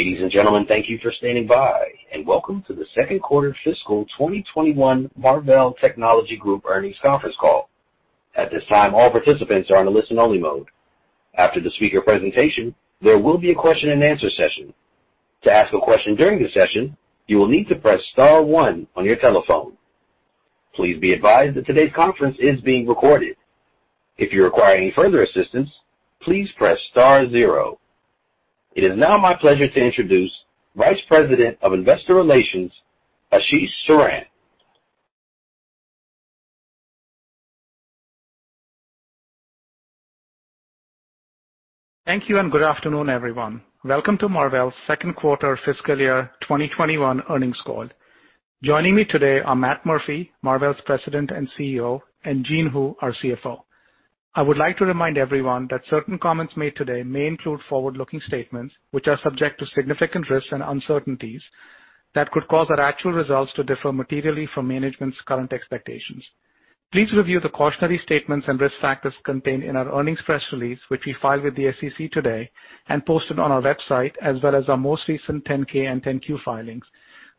Ladies and gentlemen, thank you for standing by, and welcome to the Second Quarter Fiscal 2021 Marvell Technology Group Earnings Conference Call. At this time, all participants are on a listen-only mode. After the speaker presentation, there will be a question-and-answer session. To ask a question during the session, you will need to press star one on your telephone. Please be advised that today's conference is being recorded. If you require any further assistance, please press star zero. It is now my pleasure to introduce Vice President of Investor Relations, Ashish Saran. Thank you. Good afternoon, everyone. Welcome to Marvell's Second Quarter Fiscal Year 2021 Earnings Call. Joining me today are Matt Murphy, Marvell's President and CEO, and Jean Hu, our CFO. I would like to remind everyone that certain comments made today may include forward-looking statements, which are subject to significant risks and uncertainties that could cause our actual results to differ materially from management's current expectations. Please review the cautionary statements and risk factors contained in our earnings press release, which we filed with the SEC today and posted on our website, as well as our most recent 10-K and 10-Q filings.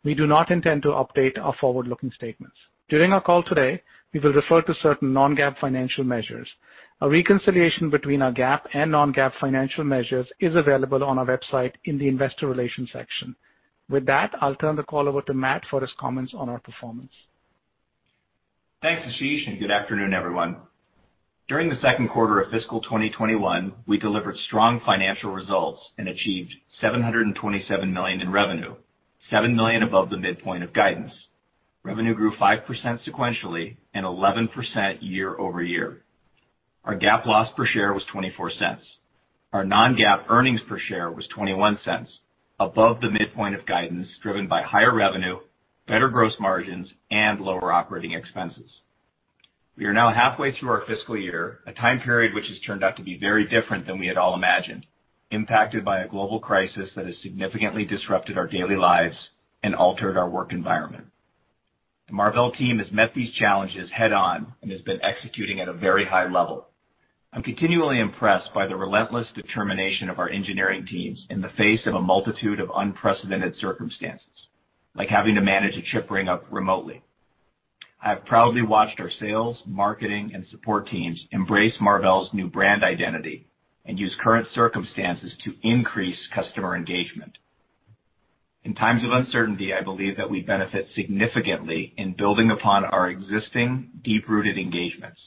We do not intend to update our forward-looking statements. During our call today, we will refer to certain non-GAAP financial measures. A reconciliation between our GAAP and non-GAAP financial measures is available on our website in the investor relations section. With that, I'll turn the call over to Matt for his comments on our performance. Thanks, Ashish, and good afternoon, everyone. During the second quarter of fiscal 2021, we delivered strong financial results and achieved $727 million in revenue, $7 million above the midpoint of guidance. Revenue grew 5% sequentially and 11% year-over-year. Our GAAP loss per share was $0.24. Our non-GAAP earnings per share was $0.21, above the midpoint of guidance, driven by higher revenue, better gross margins, and lower operating expenses. We are now halfway through our fiscal year, a time period which has turned out to be very different than we had all imagined, impacted by a global crisis that has significantly disrupted our daily lives and altered our work environment. The Marvell team has met these challenges head-on and has been executing at a very high level. I'm continually impressed by the relentless determination of our engineering teams in the face of a multitude of unprecedented circumstances, like having to manage a chip bring-up remotely. I have proudly watched our sales, marketing, and support teams embrace Marvell's new brand identity and use current circumstances to increase customer engagement. In times of uncertainty, I believe that we benefit significantly in building upon our existing deep-rooted engagements.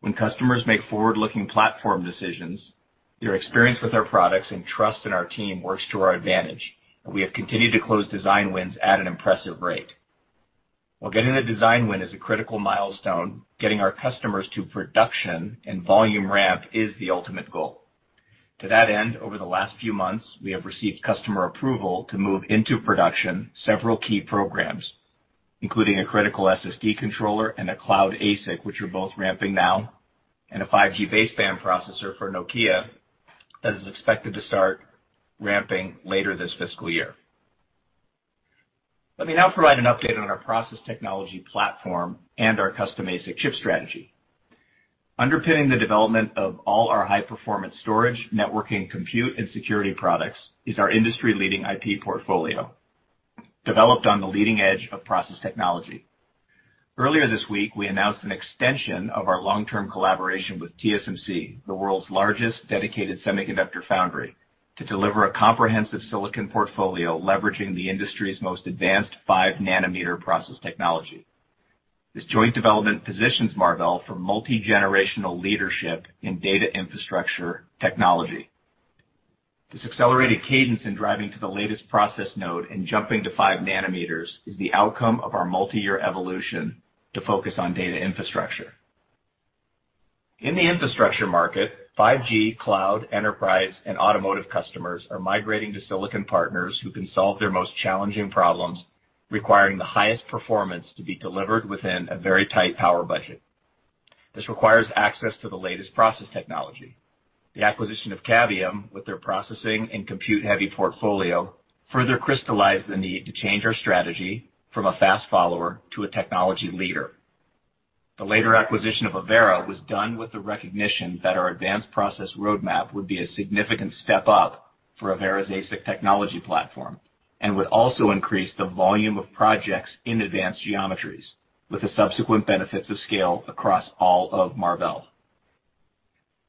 When customers make forward-looking platform decisions, their experience with our products and trust in our team works to our advantage, and we have continued to close design wins at an impressive rate. While getting a design win is a critical milestone, getting our customers to production and volume ramp is the ultimate goal. To that end, over the last few months, we have received customer approval to move into production several key programs, including a critical SSD controller and a cloud ASIC, which are both ramping now, and a 5G baseband processor for Nokia that is expected to start ramping later this fiscal year. Let me now provide an update on our process technology platform and our custom ASIC chip strategy. Underpinning the development of all our high-performance storage, networking, compute, and security products is our industry-leading IP portfolio, developed on the leading edge of process technology. Earlier this week, we announced an extension of our long-term collaboration with TSMC, the world's largest dedicated semiconductor foundry, to deliver a comprehensive silicon portfolio leveraging the industry's most advanced 5 nanometer process technology. This joint development positions Marvell for multi-generational leadership in data infrastructure technology. This accelerated cadence in driving to the latest process node and jumping to five nanometers is the outcome of our multi-year evolution to focus on data infrastructure. In the infrastructure market, 5G, cloud, enterprise, and automotive customers are migrating to silicon partners who can solve their most challenging problems, requiring the highest performance to be delivered within a very tight power budget. This requires access to the latest process technology. The acquisition of Cavium, with their processing and compute-heavy portfolio, further crystallized the need to change our strategy from a fast follower to a technology leader. The later acquisition of Avera was done with the recognition that our advanced process roadmap would be a significant step up for Avera's ASIC technology platform and would also increase the volume of projects in advanced geometries with the subsequent benefits of scale across all of Marvell.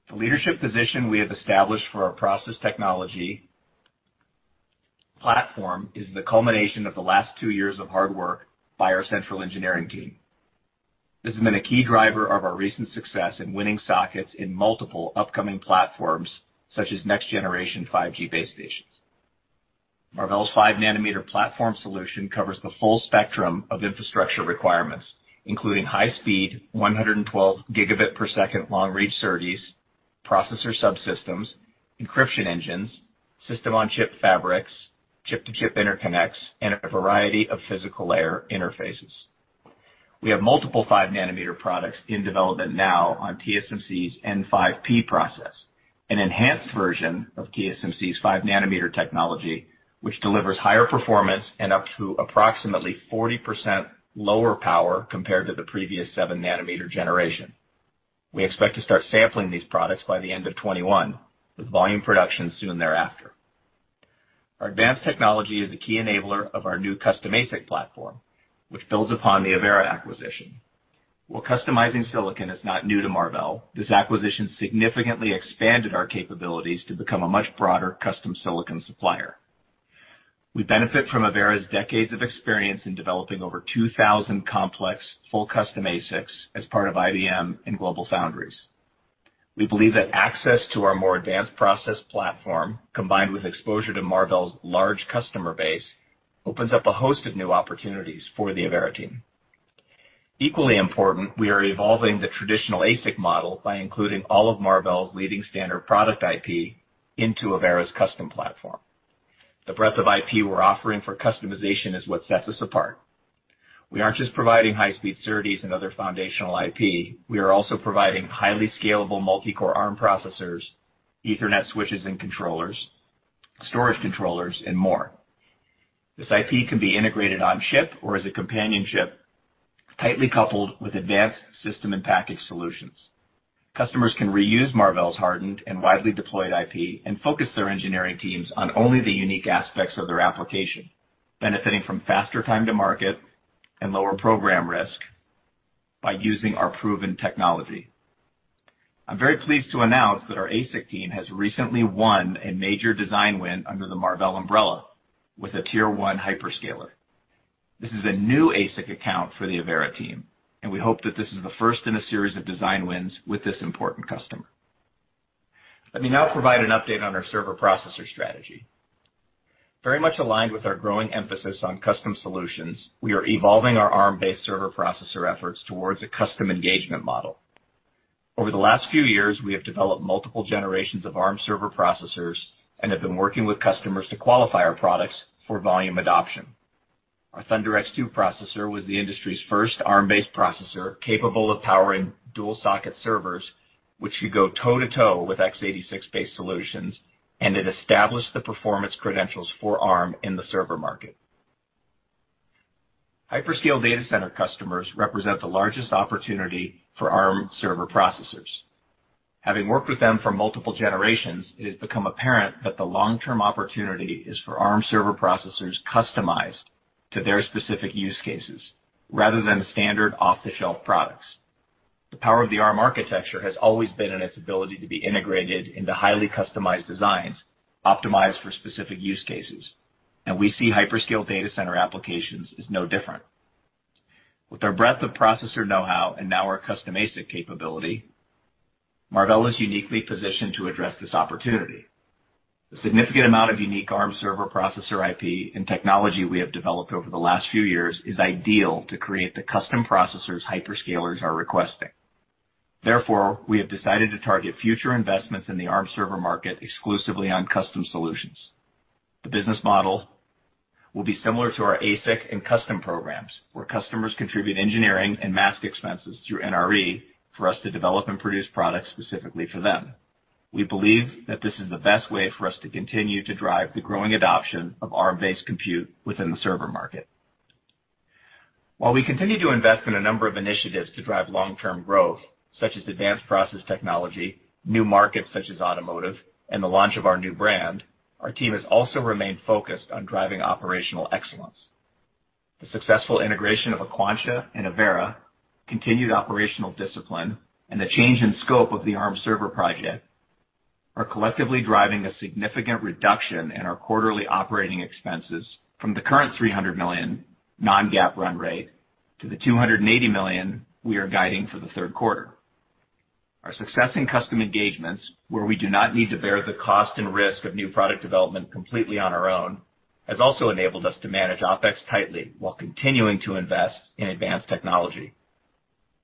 The leadership position we have established for our process technology platform is the culmination of the last two years of hard work by our central engineering team. This has been a key driver of our recent success in winning sockets in multiple upcoming platforms, such as next generation 5G base stations. Marvell's five nanometer platform solution covers the full spectrum of infrastructure requirements, including high speed, 112 gigabit per second long reach SerDes, processor subsystems, encryption engines, System on Chip fabrics, chip to chip interconnects, and a variety of physical layer interfaces. We have multiple five nanometer products in development now on TSMC's N5P process, an enhanced version of TSMC's five nanometer technology, which delivers higher performance and up to approximately 40% lower power compared to the previous seven nanometer generation. We expect to start sampling these products by the end of 2021, with volume production soon thereafter. Our advanced technology is a key enabler of our new custom ASIC platform, which builds upon the Avera acquisition. While customizing silicon is not new to Marvell, this acquisition significantly expanded our capabilities to become a much broader custom silicon supplier. We benefit from Avera's decades of experience in developing over 2,000 complex, full custom ASICs as part of IBM and GlobalFoundries. We believe that access to our more advanced process platform, combined with exposure to Marvell's large customer base, opens up a host of new opportunities for the Avera team. Equally important, we are evolving the traditional ASIC model by including all of Marvell's leading standard product IP into Avera's custom platform. The breadth of IP we're offering for customization is what sets us apart. We aren't just providing high-speed SerDes and other foundational IP. We are also providing highly scalable multi-core Arm processors, Ethernet switches and controllers, storage controllers, and more. This IP can be integrated on chip or as a companion chip, tightly coupled with advanced system-in-package solutions. Customers can reuse Marvell's hardened and widely deployed IP and focus their engineering teams on only the unique aspects of their application, benefiting from faster time to market and lower program risk by using our proven technology. I'm very pleased to announce that our ASIC team has recently won a major design win under the Marvell umbrella with a Tier 1 hyperscaler. This is a new ASIC account for the Avera team. We hope that this is the first in a series of design wins with this important customer. Let me now provide an update on our server processor strategy. Very much aligned with our growing emphasis on custom solutions, we are evolving our Arm-based server processor efforts towards a custom engagement model. Over the last few years, we have developed multiple generations of Arm server processors and have been working with customers to qualify our products for volume adoption. Our ThunderX2 processor was the industry's first Arm-based processor capable of powering dual socket servers, which could go toe-to-toe with X86-based solutions, and it established the performance credentials for Arm in the server market. Hyperscale data center customers represent the largest opportunity for Arm server processors. Having worked with them for multiple generations, it has become apparent that the long-term opportunity is for Arm server processors customized to their specific use cases rather than standard off-the-shelf products. The power of the Arm architecture has always been in its ability to be integrated into highly customized designs optimized for specific use cases, and we see hyperscale data center applications as no different. With our breadth of processor know-how and now our custom ASIC capability, Marvell is uniquely positioned to address this opportunity. The significant amount of unique Arm server processor IP and technology we have developed over the last few years is ideal to create the custom processors hyperscalers are requesting. Therefore, we have decided to target future investments in the Arm server market exclusively on custom solutions. The business model will be similar to our ASIC and custom programs, where customers contribute engineering and mask expenses through NRE for us to develop and produce products specifically for them. We believe that this is the best way for us to continue to drive the growing adoption of Arm-based compute within the server market. While we continue to invest in a number of initiatives to drive long-term growth, such as advanced process technology, new markets such as automotive, and the launch of our new brand, our team has also remained focused on driving operational excellence. The successful integration of Aquantia and Avera, continued operational discipline, and the change in scope of the Arm server project are collectively driving a significant reduction in our quarterly operating expenses from the current $300 million non-GAAP run rate to the $280 million we are guiding for the third quarter. Our success in custom engagements, where we do not need to bear the cost and risk of new product development completely on our own, has also enabled us to manage OpEx tightly while continuing to invest in advanced technology.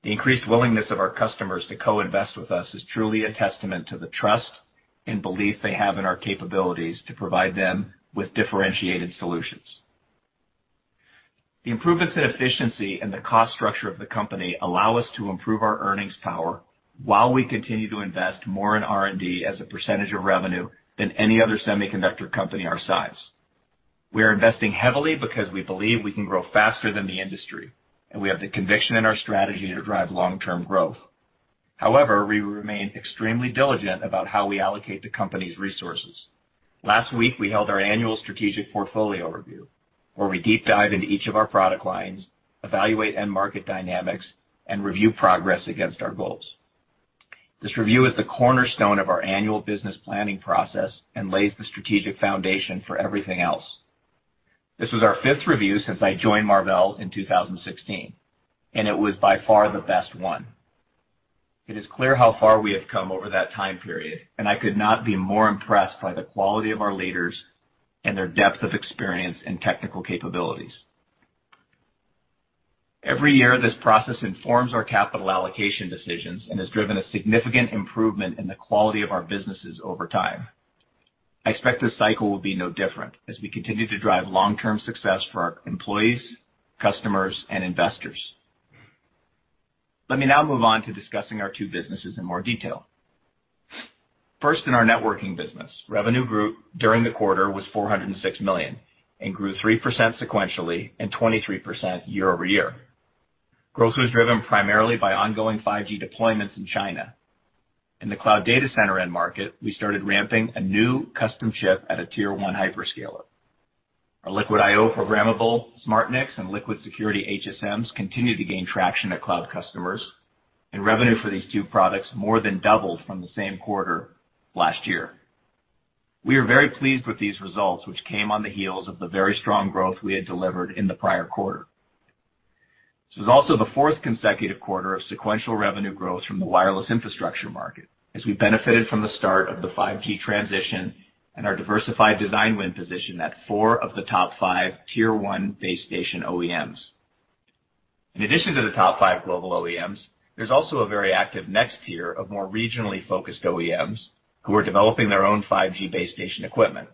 The increased willingness of our customers to co-invest with us is truly a testament to the trust and belief they have in our capabilities to provide them with differentiated solutions. The improvements in efficiency and the cost structure of the company allow us to improve our earnings power while we continue to invest more in R&D as a % of revenue than any other semiconductor company our size. We are investing heavily because we believe we can grow faster than the industry, and we have the conviction in our strategy to drive long-term growth. However, we remain extremely diligent about how we allocate the company's resources. Last week, we held our annual strategic portfolio review, where we deep dive into each of our product lines, evaluate end market dynamics, and review progress against our goals. This review is the cornerstone of our annual business planning process and lays the strategic foundation for everything else. This was our fifth review since I joined Marvell in 2016, and it was by far the best one. It is clear how far we have come over that time period, and I could not be more impressed by the quality of our leaders and their depth of experience and technical capabilities. Every year, this process informs our capital allocation decisions and has driven a significant improvement in the quality of our businesses over time. I expect this cycle will be no different as we continue to drive long-term success for our employees, customers, and investors. Let me now move on to discussing our two businesses in more detail. First in our networking business, revenue grew during the quarter was $406 million and grew 3% sequentially and 23% year-over-year. Growth was driven primarily by ongoing 5G deployments in China. In the cloud data center end market, we started ramping a new custom chip at a Tier 1 hyperscaler. Our LiquidIO programmable SmartNICs and LiquidSecurity HSMs continue to gain traction at cloud customers, and revenue for these two products more than doubled from the same quarter last year. We are very pleased with these results, which came on the heels of the very strong growth we had delivered in the prior quarter. This was also the fourth consecutive quarter of sequential revenue growth from the wireless infrastructure market, as we benefited from the start of the 5G transition and our diversified design win position at four of the top five Tier 1 base station OEMs. In addition to the top five global OEMs, there's also a very active next tier of more regionally focused OEMs who are developing their own 5G base station equipment.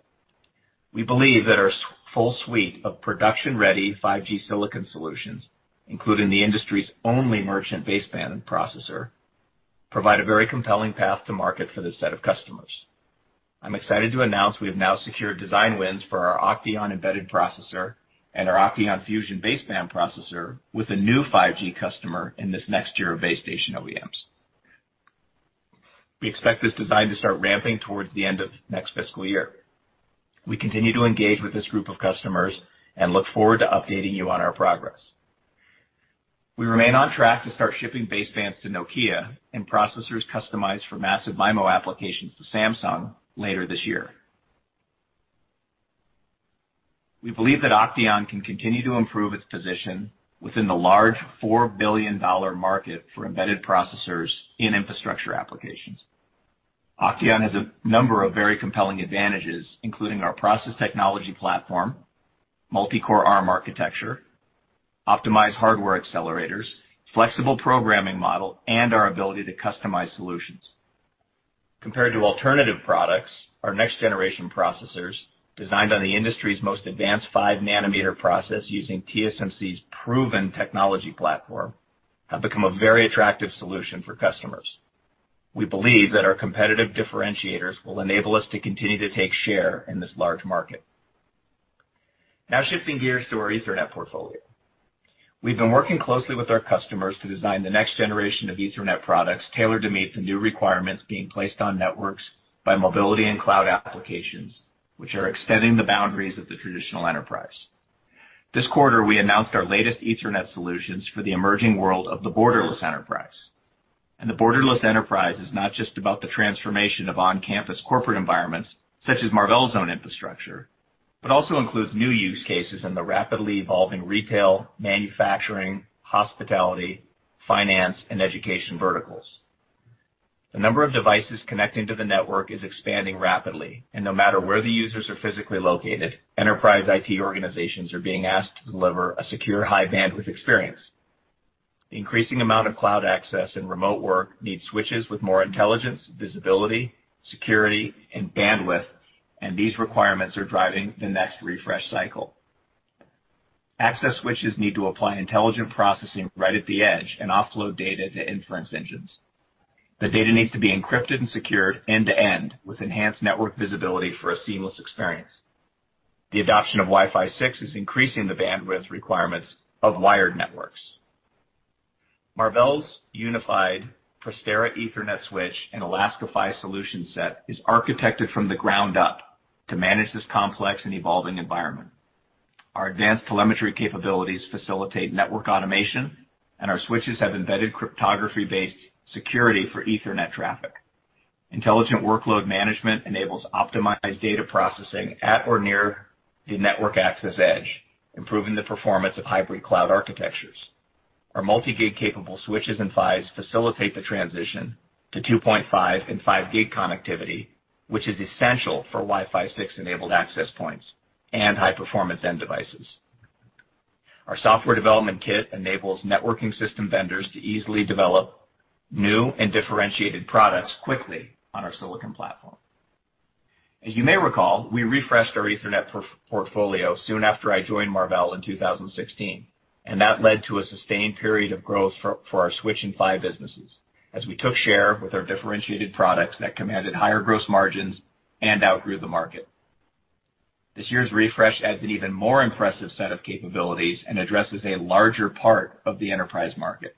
We believe that our full suite of production ready 5G silicon solutions, including the industry's only merchant baseband and processor, provide a very compelling path to market for this set of customers. I'm excited to announce we have now secured design wins for our OCTEON embedded processor and our OCTEON Fusion baseband processor with a new 5G customer in this next tier of base station OEMs. We expect this design to start ramping towards the end of next fiscal year. We continue to engage with this group of customers and look forward to updating you on our progress. We remain on track to start shipping basebands to Nokia and processors customized for massive MIMO applications to Samsung later this year. We believe that OCTEON can continue to improve its position within the large $4 billion market for embedded processors in infrastructure applications. OCTEON has a number of very compelling advantages, including our process technology platform, multi-core Arm architecture, optimized hardware accelerators, flexible programming model, and our ability to customize solutions. Compared to alternative products, our next generation processors, designed on the industry's most advanced 5 nanometer process using TSMC's proven technology platform, have become a very attractive solution for customers. We believe that our competitive differentiators will enable us to continue to take share in this large market. Shifting gears to our Ethernet portfolio. We've been working closely with our customers to design the next generation of Ethernet products tailored to meet the new requirements being placed on networks by mobility and cloud applications, which are extending the boundaries of the traditional enterprise. This quarter, we announced our latest Ethernet solutions for the emerging world of the borderless enterprise. The borderless enterprise is not just about the transformation of on-campus corporate environments such as Marvell's own infrastructure, but also includes new use cases in the rapidly evolving retail, manufacturing, hospitality, finance, and education verticals. The number of devices connecting to the network is expanding rapidly, and no matter where the users are physically located, enterprise IT organizations are being asked to deliver a secure high bandwidth experience. The increasing amount of cloud access and remote work needs switches with more intelligence, visibility, security, and bandwidth. These requirements are driving the next refresh cycle. Access switches need to apply intelligent processing right at the edge and offload data to inference engines. The data needs to be encrypted and secured end to end with enhanced network visibility for a seamless experience. The adoption of Wi-Fi 6 is increasing the bandwidth requirements of wired networks. Marvell's unified Prestera Ethernet switch and Alaska PHY solution set is architected from the ground up to manage this complex and evolving environment. Our advanced telemetry capabilities facilitate network automation. Our switches have embedded cryptography-based security for Ethernet traffic. Intelligent workload management enables optimized data processing at or near the network access edge, improving the performance of hybrid cloud architectures. Our Multi-Gig capable switches and PHYs facilitate the transition to 2.5 and 5 Gig connectivity, which is essential for Wi-Fi 6 enabled access points and high performance end devices. Our software development kit enables networking system vendors to easily develop new and differentiated products quickly on our silicon platform. As you may recall, we refreshed our Ethernet portfolio soon after I joined Marvell in 2016. That led to a sustained period of growth for our switch and PHY businesses as we took share with our differentiated products that commanded higher gross margins and outgrew the market. This year's refresh adds an even more impressive set of capabilities. Addresses a larger part of the enterprise market,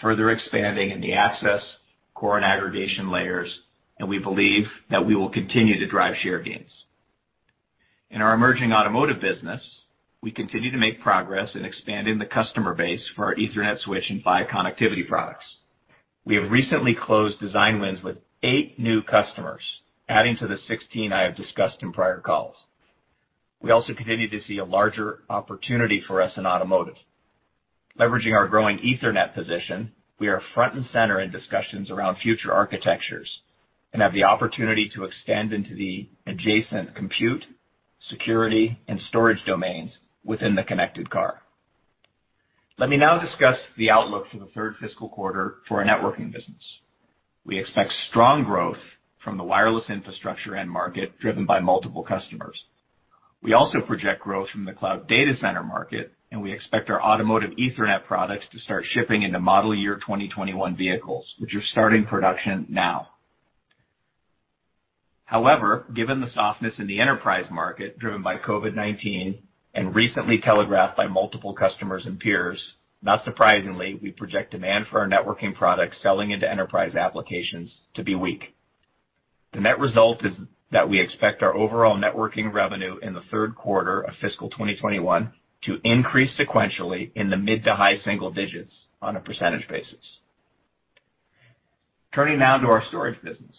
further expanding in the access, core, and aggregation layers. We believe that we will continue to drive share gains. In our emerging automotive business, we continue to make progress in expanding the customer base for our Ethernet switch and PHY connectivity products. We have recently closed design wins with eight new customers, adding to the 16 I have discussed in prior calls. We also continue to see a larger opportunity for us in automotive. Leveraging our growing Ethernet position, we are front and center in discussions around future architectures and have the opportunity to extend into the adjacent compute, security, and storage domains within the connected car. Let me now discuss the outlook for the third fiscal quarter for our networking business. We expect strong growth from the wireless infrastructure end market driven by multiple customers. We also project growth from the cloud data center market. We expect our automotive Ethernet products to start shipping into model year 2021 vehicles, which are starting production now. However, given the softness in the enterprise market, driven by COVID-19, and recently telegraphed by multiple customers and peers, not surprisingly, we project demand for our networking products selling into enterprise applications to be weak. The net result is that we expect our overall networking revenue in the 3rd quarter of fiscal 2021 to increase sequentially in the mid to high single digits on a percentage basis. Turning now to our storage business.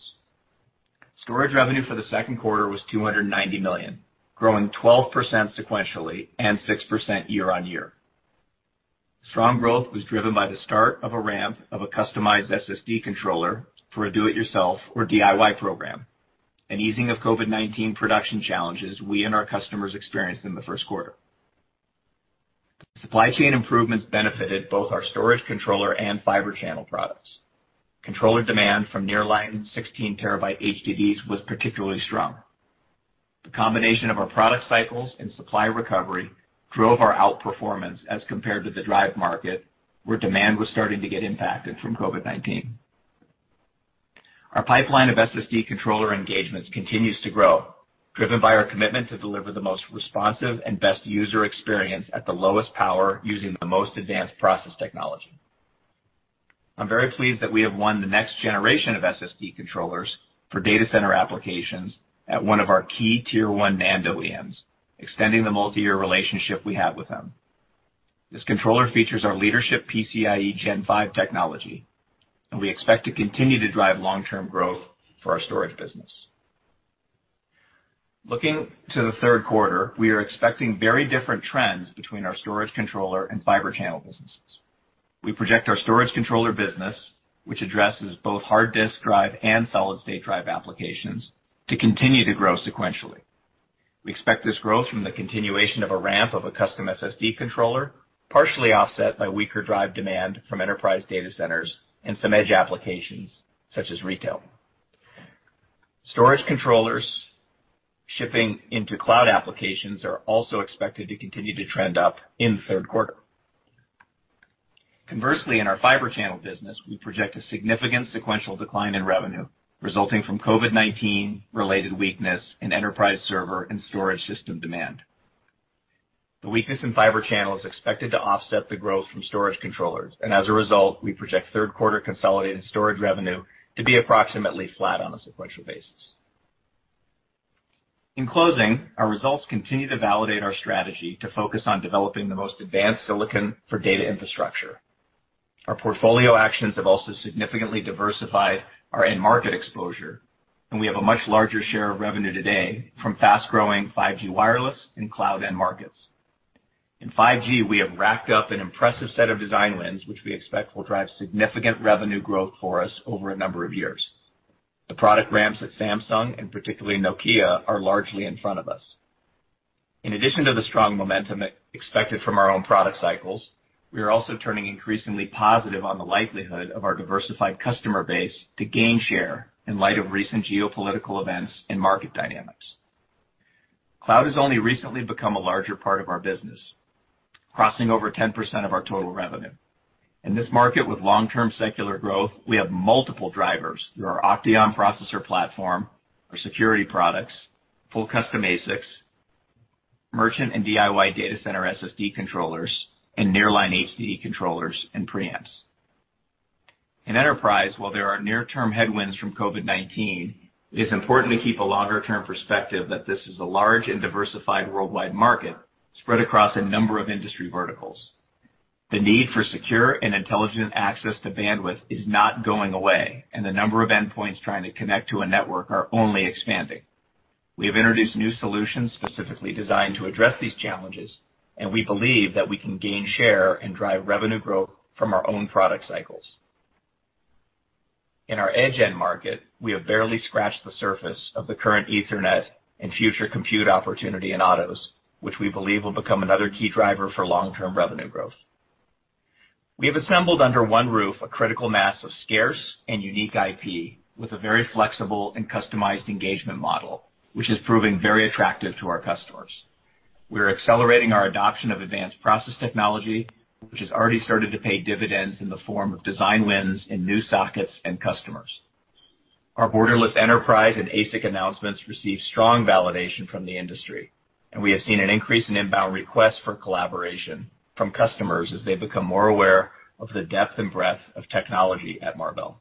Storage revenue for the 2nd quarter was $290 million, growing 12% sequentially and 6% year-on-year. Strong growth was driven by the start of a ramp of a customized SSD controller for a do it yourself, or DIY program, and easing of COVID-19 production challenges we and our customers experienced in the 1st quarter. Supply chain improvements benefited both our storage controller and Fibre Channel products. Controller demand from nearline 16 TB HDDs was particularly strong. The combination of our product cycles and supply recovery drove our outperformance as compared to the drive market, where demand was starting to get impacted from COVID-19. Our pipeline of SSD controller engagements continues to grow, driven by our commitment to deliver the most responsive and best user experience at the lowest power using the most advanced process technology. I'm very pleased that we have won the next generation of SSD controllers for data center applications at one of our key Tier 1 NAND OEMs, extending the multi-year relationship we have with them. This controller features our leadership PCIe Gen 5 technology. We expect to continue to drive long-term growth for our storage business. Looking to the third quarter, we are expecting very different trends between our storage controller and Fibre Channel businesses. We project our storage controller business, which addresses both hard disk drive and solid state drive applications, to continue to grow sequentially. We expect this growth from the continuation of a ramp of a custom SSD controller, partially offset by weaker drive demand from enterprise data centers and some edge applications such as retail. Storage controllers shipping into cloud applications are also expected to continue to trend up in the third quarter. Conversely, in our Fibre Channel business, we project a significant sequential decline in revenue resulting from COVID-19 related weakness in enterprise server and storage system demand. The weakness in Fibre Channel is expected to offset the growth from storage controllers, and as a result, we project third quarter consolidated storage revenue to be approximately flat on a sequential basis. In closing, our results continue to validate our strategy to focus on developing the most advanced silicon for data infrastructure. Our portfolio actions have also significantly diversified our end market exposure, and we have a much larger share of revenue today from fast-growing 5G wireless and cloud end markets. In 5G, we have racked up an impressive set of design wins, which we expect will drive significant revenue growth for us over a number of years. The product ramps at Samsung and particularly Nokia are largely in front of us. In addition to the strong momentum expected from our own product cycles, we are also turning increasingly positive on the likelihood of our diversified customer base to gain share in light of recent geopolitical events and market dynamics. Cloud has only recently become a larger part of our business, crossing over 10% of our total revenue. In this market with long-term secular growth, we have multiple drivers through our OCTEON processor platform, our security products, full custom ASICs, merchant and DIY data center SSD controllers, and nearline HDD controllers and preamps. In enterprise, while there are near-term headwinds from COVID-19, it is important to keep a longer-term perspective that this is a large and diversified worldwide market spread across a number of industry verticals. The need for secure and intelligent access to bandwidth is not going away, and the number of endpoints trying to connect to a network are only expanding. We have introduced new solutions specifically designed to address these challenges, and we believe that we can gain share and drive revenue growth from our own product cycles. In our edge end market, we have barely scratched the surface of the current Ethernet and future compute opportunity in autos, which we believe will become another key driver for long-term revenue growth. We have assembled under one roof a critical mass of scarce and unique IP with a very flexible and customized engagement model, which is proving very attractive to our customers. We are accelerating our adoption of advanced process technology, which has already started to pay dividends in the form of design wins and new sockets and customers. Our borderless enterprise and ASIC announcements received strong validation from the industry, and we have seen an increase in inbound requests for collaboration from customers as they become more aware of the depth and breadth of technology at Marvell.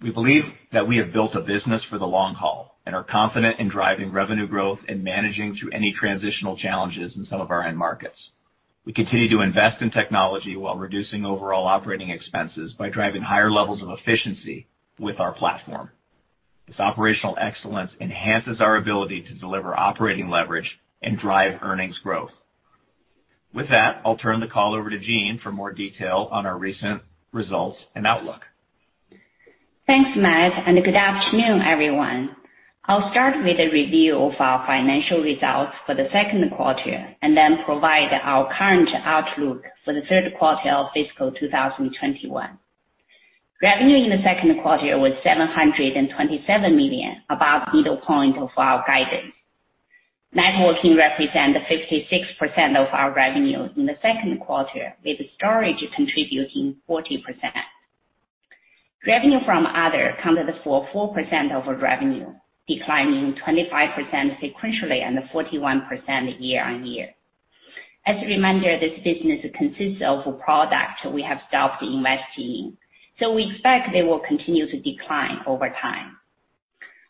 We believe that we have built a business for the long haul and are confident in driving revenue growth and managing through any transitional challenges in some of our end markets. We continue to invest in technology while reducing overall operating expenses by driving higher levels of efficiency with our platform. This operational excellence enhances our ability to deliver operating leverage and drive earnings growth. With that, I'll turn the call over to Jean for more detail on our recent results and outlook. Thanks, Matt. Good afternoon, everyone. I'll start with a review of our financial results for the second quarter and then provide our current outlook for the third quarter of fiscal 2021. Revenue in the second quarter was $727 million, above middle point of our guidance. Networking represent 56% of our revenue in the second quarter, with storage contributing 40%. Revenue from other accounted for 4% of revenue, declining 25% sequentially and 41% year-on-year. As a reminder, this business consists of a product we have stopped investing in. We expect they will continue to decline over time.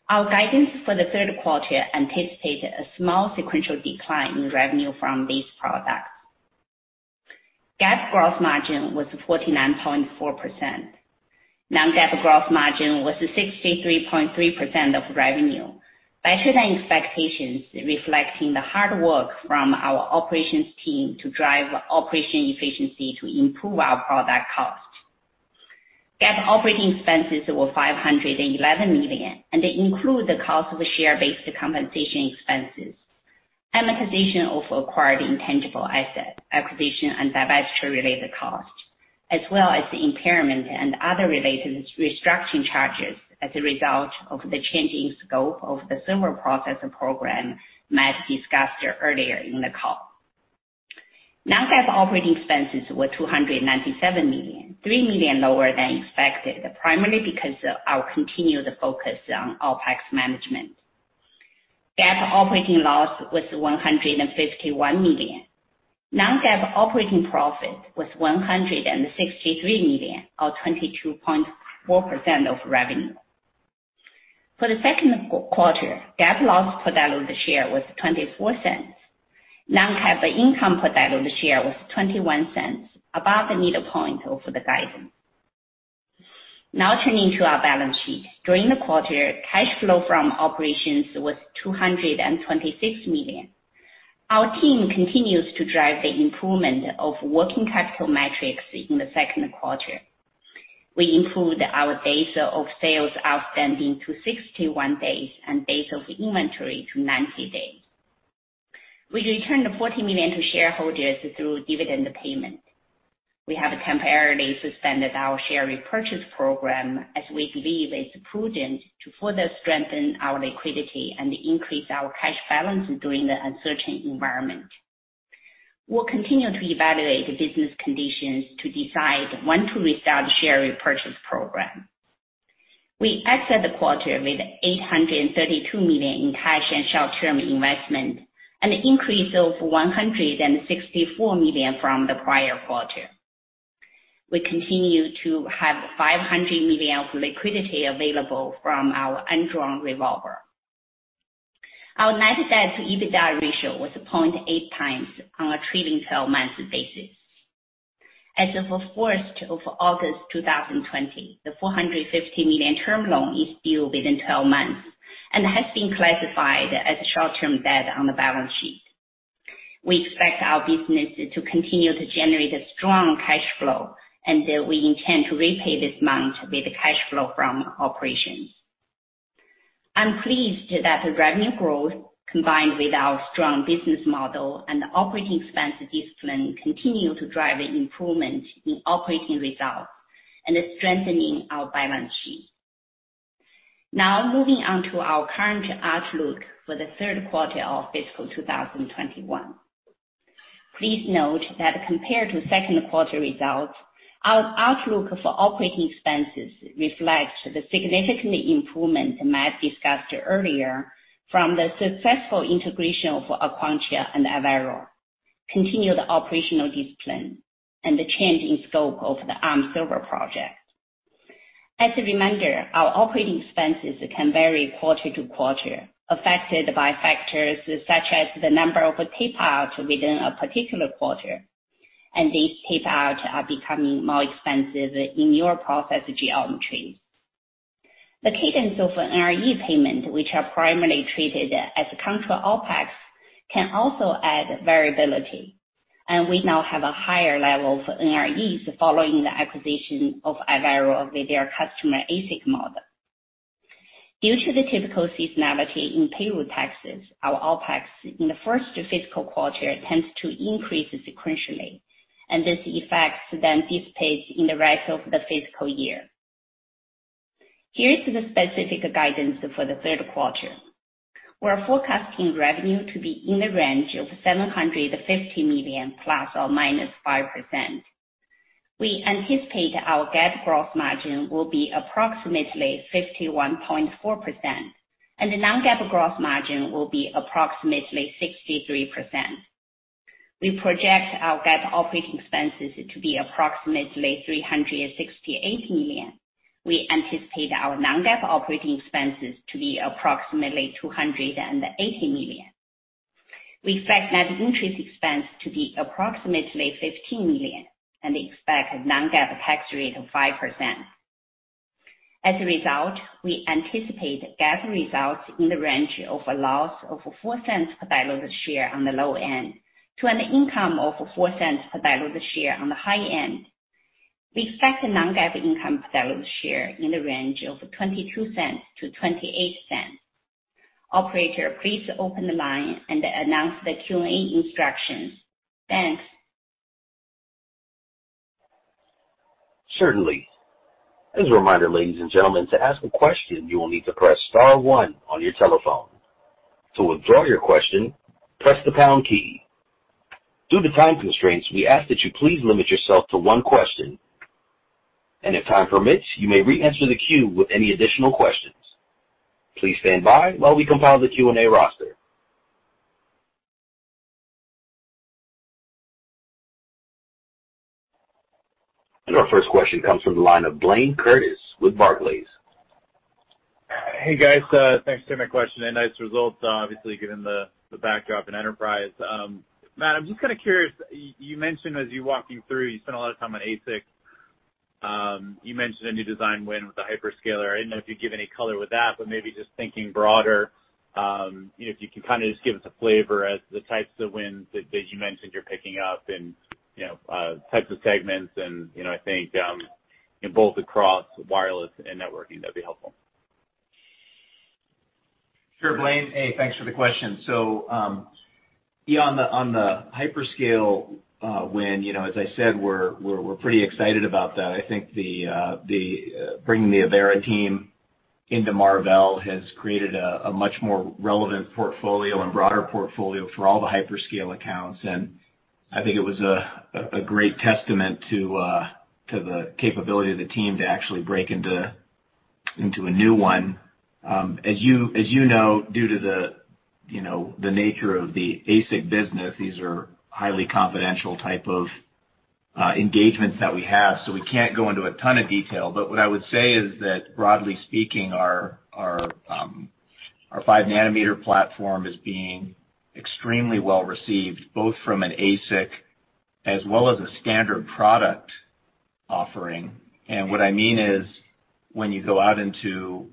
Our guidance for the third quarter anticipates a small sequential decline in revenue from these products. GAAP gross margin was 49.4%. non-GAAP gross margin was 63.3% of revenue, better than expectations, reflecting the hard work from our operations team to drive operational efficiency to improve our product cost. GAAP operating expenses were $511 million, they include the cost of share-based compensation expenses, amortization of acquired intangible asset, acquisition and divestiture-related cost, as well as the impairment and other related restructuring charges as a result of the changing scope of the server processor program Matt discussed earlier in the call. Non-GAAP operating expenses were $297 million, $3 million lower than expected, primarily because our continued focus on OpEx management. GAAP operating loss was $151 million. Non-GAAP operating profit was $163 million, or 22.4% of revenue. For the second quarter, GAAP loss per diluted share was $0.24. Non-GAAP income per diluted share was $0.21, above the middle point of the guidance. Now turning to our balance sheet. During the quarter, cash flow from operations was $226 million. Our team continues to drive the improvement of working capital metrics in the second quarter. We improved our days of sales outstanding to 61 days and days of inventory to 90 days. We returned $40 million to shareholders through dividend payment. We have temporarily suspended our share repurchase program as we believe it's prudent to further strengthen our liquidity and increase our cash balance during the uncertain environment. We'll continue to evaluate the business conditions to decide when to restart share repurchase program. We exit the quarter with $832 million in cash and short-term investment, an increase of $164 million from the prior quarter. We continue to have $500 million of liquidity available from our undrawn revolver. Our net debt to EBITDA ratio was 0.8x on a trailing 12 months basis. As of 1st of August 2020, the $450 million term loan is due within 12 months and has been classified as short-term debt on the balance sheet. We expect our business to continue to generate a strong cash flow, and we intend to repay this amount with the cash flow from operations. I'm pleased that the revenue growth, combined with our strong business model and operating expense discipline, continue to drive improvement in operating results and is strengthening our balance sheet. Now moving on to our current outlook for the third quarter of fiscal 2021. Please note that compared to second quarter results, our outlook for operating expenses reflects the significant improvement Matt discussed earlier from the successful integration of Aquantia and Avera, continued operational discipline, and the change in scope of the Arm server project. As a reminder, our operating expenses can vary quarter to quarter, affected by factors such as the number of tape-out within a particular quarter, and these tape-out are becoming more expensive in newer process geometries. The cadence of NRE payment, which are primarily treated as contra-OpEx, can also add variability. We now have a higher level of NREs following the acquisition of Avera with their customer ASIC model. Due to the typical seasonality in payroll taxes, our OpEx in the first fiscal quarter tends to increase sequentially. This effect then dissipates in the rest of the fiscal year. Here is the specific guidance for the third quarter. We're forecasting revenue to be in the range of $750 million, ±5%. We anticipate our GAAP gross margin will be approximately 51.4%. The non-GAAP gross margin will be approximately 63%. We project our GAAP operating expenses to be approximately $368 million. We anticipate our non-GAAP operating expenses to be approximately $280 million. We expect net interest expense to be approximately $15 million. We expect non-GAAP tax rate of 5%. As a result, we anticipate GAAP results in the range of a loss of $0.04 per diluted share on the low end to an income of $0.04 per diluted share on the high end. We expect non-GAAP income per diluted share in the range of $0.22-$0.28. Operator, please open the line and announce the Q&A instructions. Thanks. Certainly. As a reminder, ladies and gentlemen, to ask a question, you will need to press star one on your telephone. To withdraw your question, press the pound key. Due to time constraints, we ask that you please limit yourself to one question, and if time permits, you may reenter the queue with any additional questions. Please stand by while we compile the Q&A roster. Our first question comes from the line of Blayne Curtis with Barclays. Hey, guys. Thanks for taking my question. Nice results, obviously given the backdrop in enterprise. Matt, I'm just kind of curious, you mentioned as you walking through, you spent a lot of time on ASIC. You mentioned a new design win with a hyperscaler. I didn't know if you'd give any color with that. Maybe just thinking broader, if you can kind of just give us a flavor as the types of wins that you mentioned you're picking up and types of segments and, I think, in both across wireless and networking, that'd be helpful. Sure, Blayne. Hey, thanks for the question. Yeah, on the hyperscale win, as I said, we're pretty excited about that. I think bringing the Avera team into Marvell has created a much more relevant portfolio and broader portfolio for all the hyperscale accounts. I think it was a great testament to the capability of the team to actually break into a new one. As you know, due to the nature of the ASIC business, these are highly confidential type of engagements that we have, so we can't go into a ton of detail. What I would say is that broadly speaking, our five nanometer platform is being extremely well received, both from an ASIC as well as a standard product offering. What I mean is when you go out into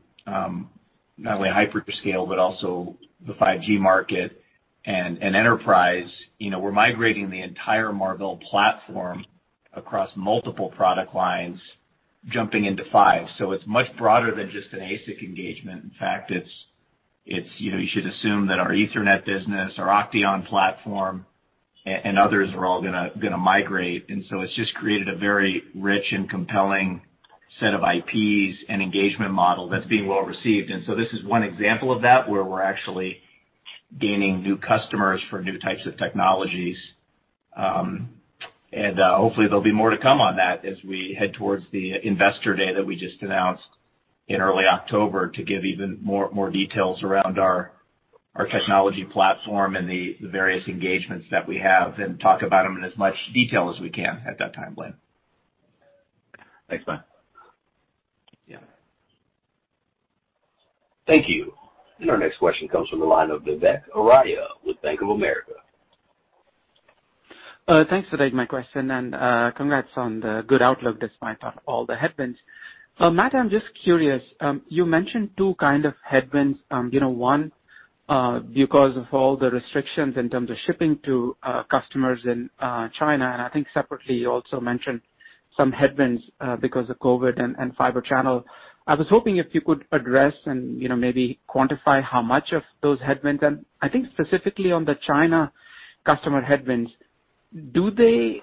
not only hyperscale, but also the 5G market and enterprise, we're migrating the entire Marvell platform across multiple product lines, jumping into 5G. It's much broader than just an ASIC engagement. In fact, you should assume that our Ethernet business, our OCTEON platform, and others are all going to migrate. It's just created a very rich and compelling set of IPs and engagement model that's being well received. This is one example of that, where we're actually gaining new customers for new types of technologies. Hopefully there'll be more to come on that as we head towards the investor day that we just announced in early October to give even more details around our technology platform and the various engagements that we have, and talk about them in as much detail as we can at that time, Blayne. Thanks, Matt. Yeah. Thank you. Our next question comes from the line of Vivek Arya with Bank of America. Thanks for taking my question and congrats on the good outlook despite all the headwinds. Matt, I'm just curious. You mentioned two kind of headwinds. One, because of all the restrictions in terms of shipping to customers in China, and I think separately, you also mentioned some headwinds because of COVID and Fibre Channel. I was hoping if you could address and maybe quantify how much of those headwinds, and I think specifically on the China customer headwinds. Do those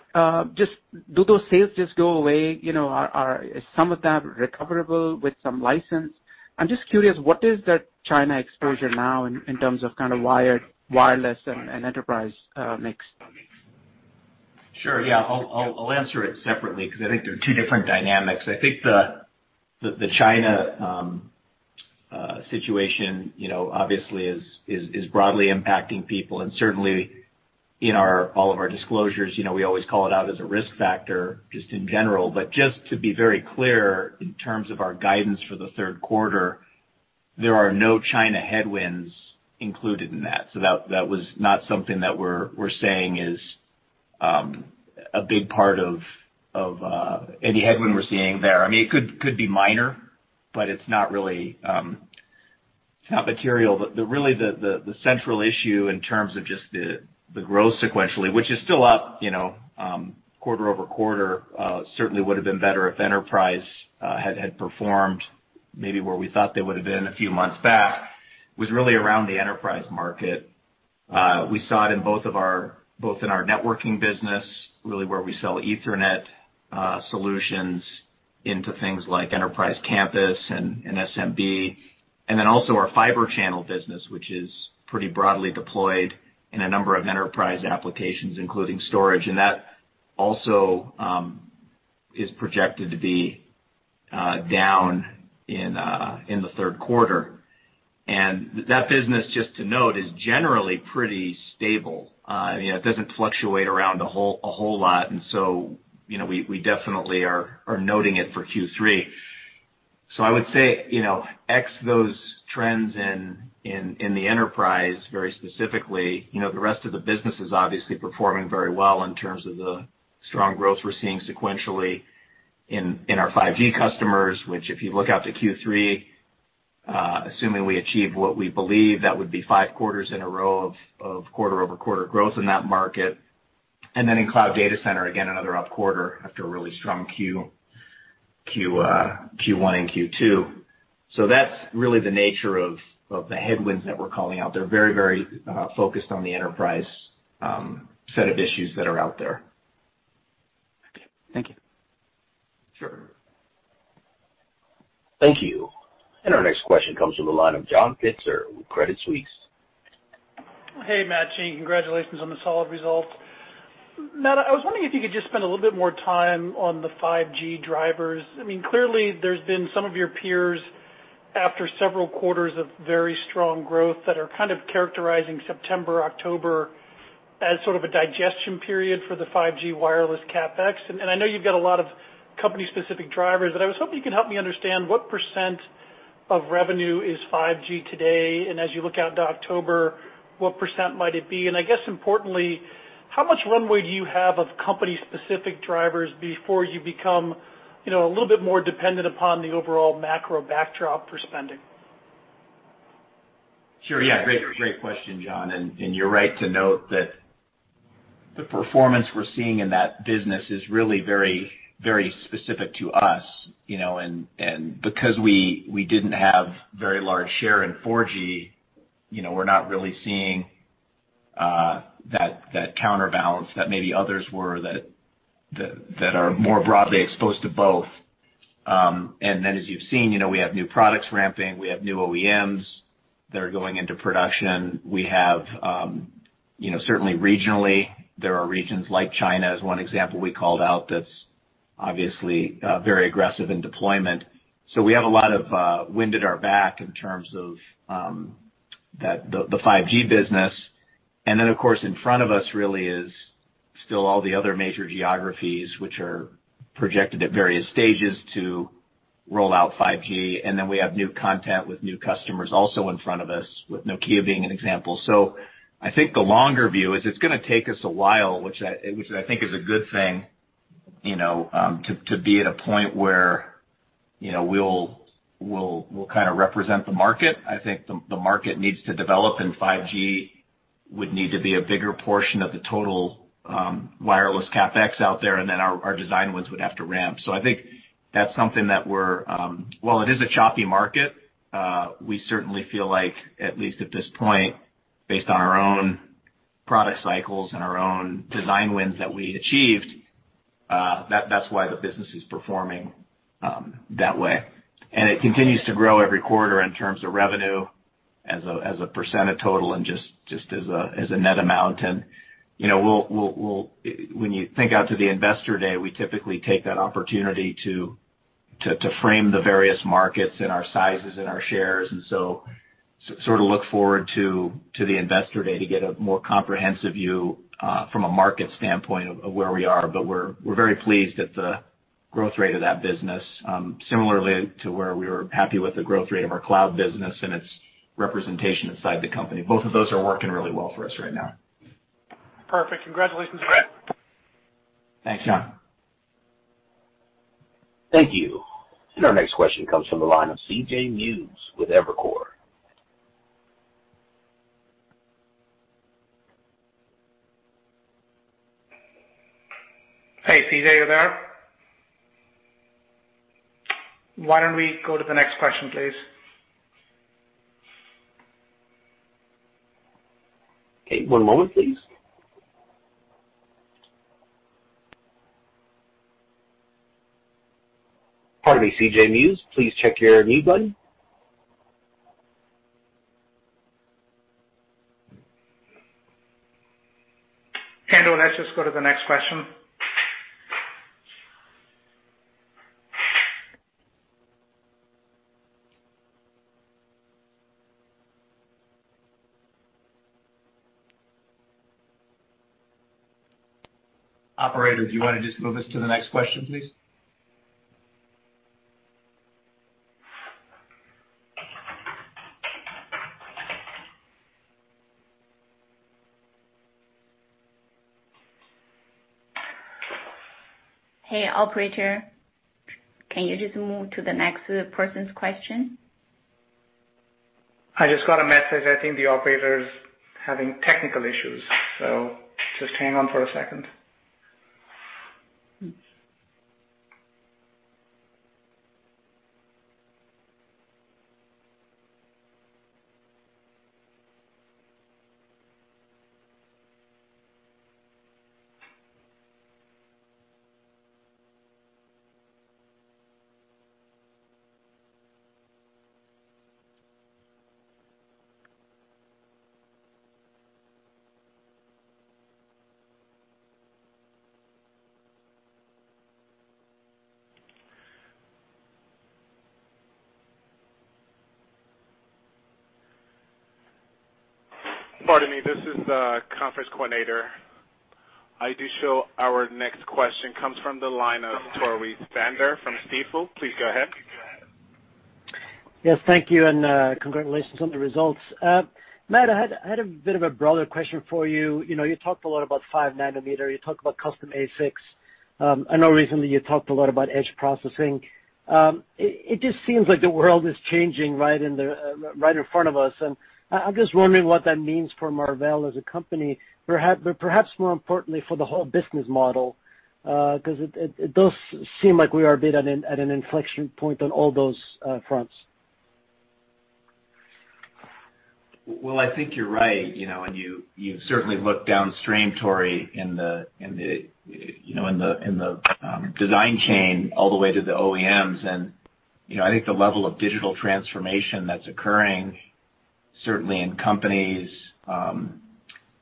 sales just go away? Is some of that recoverable with some license? I'm just curious, what is that China exposure now in terms of kind of wired, wireless, and enterprise mix? Sure. Yeah. I'll answer it separately because I think they're two different dynamics. I think the China situation obviously is broadly impacting people and certainly in all of our disclosures, we always call it out as a risk factor just in general. Just to be very clear in terms of our guidance for the third quarter, there are no China headwinds included in that. That was not something that we're saying is a big part of any headwind we're seeing there. I mean, it could be minor, but it's not material. Really the central issue in terms of just the growth sequentially, which is still up quarter-over-quarter, certainly would have been better if enterprise had performed maybe where we thought they would have been a few months back, was really around the enterprise market. We saw it in both our networking business, really where we sell Ethernet solutions into things like Enterprise Campus and SMB, also our Fibre Channel business, which is pretty broadly deployed in a number of enterprise applications, including storage. That also is projected to be down in the third quarter. That business, just to note, is generally pretty stable. It doesn't fluctuate around a whole lot, we definitely are noting it for Q3. I would say, ex those trends in the enterprise very specifically, the rest of the business is obviously performing very well in terms of the strong growth we're seeing sequentially in our 5G customers. If you look out to Q3, assuming we achieve what we believe, that would be five quarters in a row of quarter-over-quarter growth in that market. In Cloud Data Center, again, another up quarter after a really strong Q1 and Q2. That's really the nature of the headwinds that we're calling out. They're very focused on the enterprise set of issues that are out there. Okay. Thank you. Sure. Thank you. Our next question comes from the line of John Pitzer with Credit Suisse. Hey, Matt, Jean Hu. Congratulations on the solid results. Matt, I was wondering if you could just spend a little bit more time on the 5G drivers. There's been some of your peers, after several quarters of very strong growth, that are kind of characterizing September, October as sort of a digestion period for the 5G wireless CapEx. I know you've got a lot of company-specific drivers, but I was hoping you could help me understand what % of revenue is 5G today, and as you look out to October, what % might it be? I guess importantly, how much runway do you have of company-specific drivers before you become a little bit more dependent upon the overall macro backdrop for spending? Sure. Yeah. Great question, John. You're right to note that the performance we're seeing in that business is really very specific to us. Because we didn't have very large share in 4G, we're not really seeing that counterbalance that maybe others were that are more broadly exposed to both. As you've seen, we have new products ramping. We have new OEMs that are going into production. Certainly regionally, there are regions like China, as one example we called out, that's obviously very aggressive in deployment. We have a lot of wind at our back in terms of the 5G business. Of course, in front of us really is still all the other major geographies, which are projected at various stages to roll out 5G. We have new content with new customers also in front of us, with Nokia being an example. I think the longer view is it's going to take us a while, which I think is a good thing, to be at a point where we'll kind of represent the market. I think the market needs to develop, 5G would need to be a bigger portion of the total wireless CapEx out there, our design wins would have to ramp. I think that's something that while it is a choppy market, we certainly feel like, at least at this point, based on our own product cycles and our own design wins that we achieved, that's why the business is performing that way. It continues to grow every quarter in terms of revenue as a % of total and just as a net amount. When you think out to the investor day, we typically take that opportunity to frame the various markets and our sizes and our shares. Sort of look forward to the investor day to get a more comprehensive view from a market standpoint of where we are. We're very pleased at the growth rate of that business. Similarly to where we were happy with the growth rate of our cloud business and its representation inside the company. Both of those are working really well for us right now. Perfect. Congratulations. Thanks, John. Thank you. Our next question comes from the line of C.J. Muse with Evercore. Hey, C.J., are you there? Why don't we go to the next question, please? Okay, one moment, please. Pardon me, C.J. Muse, please check your mute button. Andrew, let's just go to the next question. Operator, do you want to just move us to the next question, please? Hey, operator, can you just move to the next person's question? I just got a message. I think the operator's having technical issues, so just hang on for a second. Pardon me. This is the conference coordinator. I do show our next question comes from the line of Tore Svanberg from Stifel. Please go ahead. Yes, thank you, and congratulations on the results. Matt, I had a bit of a broader question for you. You talked a lot about five nanometer. You talked about custom ASICs. I know recently you talked a lot about edge processing. It just seems like the world is changing right in front of us, and I'm just wondering what that means for Marvell as a company, but perhaps more importantly for the whole business model, because it does seem like we are a bit at an inflection point on all those fronts. Well, I think you're right, and you've certainly looked downstream, Tore, in the design chain all the way to the OEMs. I think the level of digital transformation that's occurring, certainly in companies,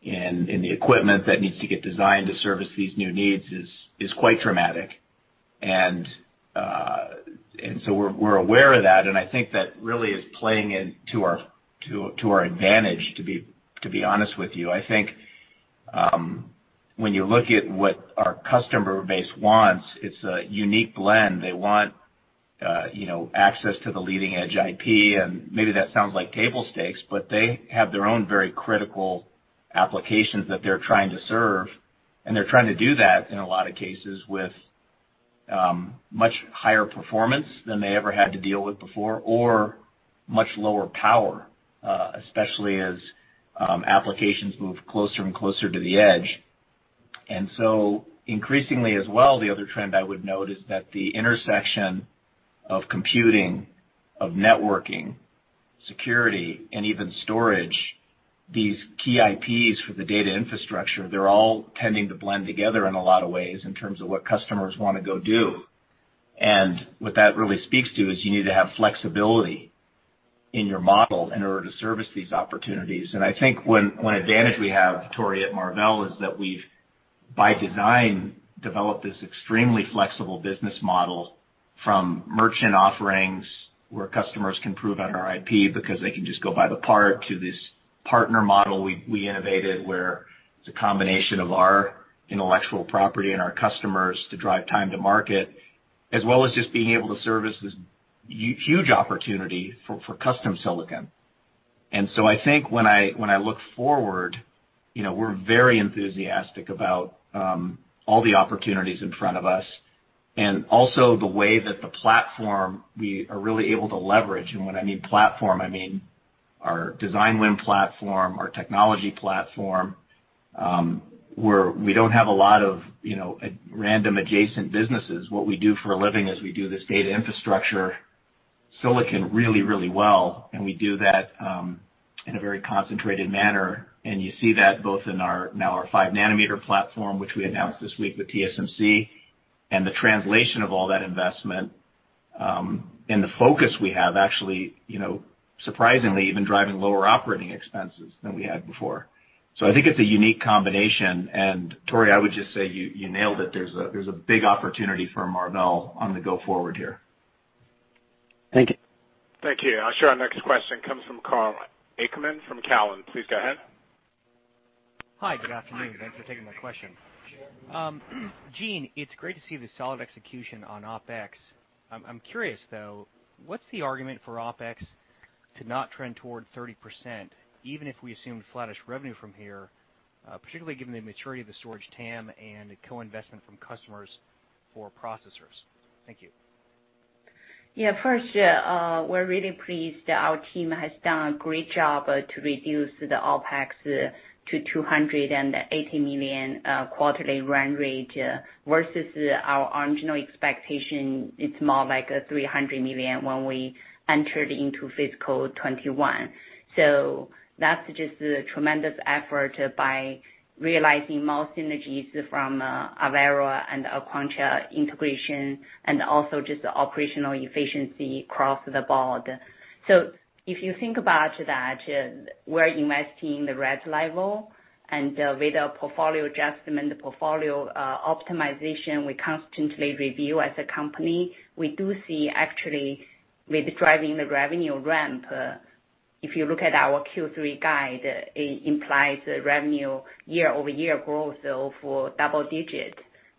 in the equipment that needs to get designed to service these new needs is quite dramatic. We're aware of that, and I think that really is playing into our advantage, to be honest with you. I think when you look at what our customer base wants, it's a unique blend. They want access to the leading-edge IP, and maybe that sounds like table stakes, but they have their own very critical applications that they're trying to serve, and they're trying to do that, in a lot of cases, with much higher performance than they ever had to deal with before, or much lower power, especially as applications move closer and closer to the edge. Increasingly as well, the other trend I would note is that the intersection of computing, of networking, security, and even storage, these key IPs for the data infrastructure, they're all tending to blend together in a lot of ways in terms of what customers want to go do. What that really speaks to is you need to have flexibility in your model in order to service these opportunities. I think one advantage we have, Tore, at Marvell, is that we've, by design, developed this extremely flexible business model from merchant offerings, where customers can prove out our IP because they can just go buy the part, to this partner model we innovated, where it's a combination of our intellectual property and our customers to drive time to market, as well as just being able to service this huge opportunity for custom silicon. I think when I look forward, we're very enthusiastic about all the opportunities in front of us and also the way that the platform we are really able to leverage. When I mean platform, I mean our design win platform, our technology platform, where we don't have a lot of random adjacent businesses. What we do for a living is we do this data infrastructure silicon really, really well, and we do that in a very concentrated manner. You see that both in our now five nanometer platform, which we announced this week with TSMC, and the translation of all that investment and the focus we have, actually, surprisingly, even driving lower operating expenses than we had before. I think it's a unique combination. Tore, I would just say you nailed it. There's a big opportunity for Marvell on the go forward here. Thank you. Thank you. I'll show our next question comes from Karl Ackerman from Cowen. Please go ahead. Hi. Good afternoon. Thanks for taking my question. Jean, it's great to see the solid execution on OpEx. I'm curious, though, what's the argument for OpEx to not trend toward 30%, even if we assume flattish revenue from here, particularly given the maturity of the storage TAM and the co-investment from customers for processors? Thank you. First, we're really pleased our team has done a great job to reduce the OpEx to $280 million quarterly run rate versus our original expectation, it's more like $300 million, when we entered into fiscal 2021. That's just a tremendous effort by realizing more synergies from Avera and Aquantia integration and also just the operational efficiency across the board. If you think about that, we're investing the right level and with the portfolio adjustment, the portfolio optimization we constantly review as a company, we do see actually with driving the revenue ramp, if you look at our Q3 guide, it implies revenue year-over-year growth of double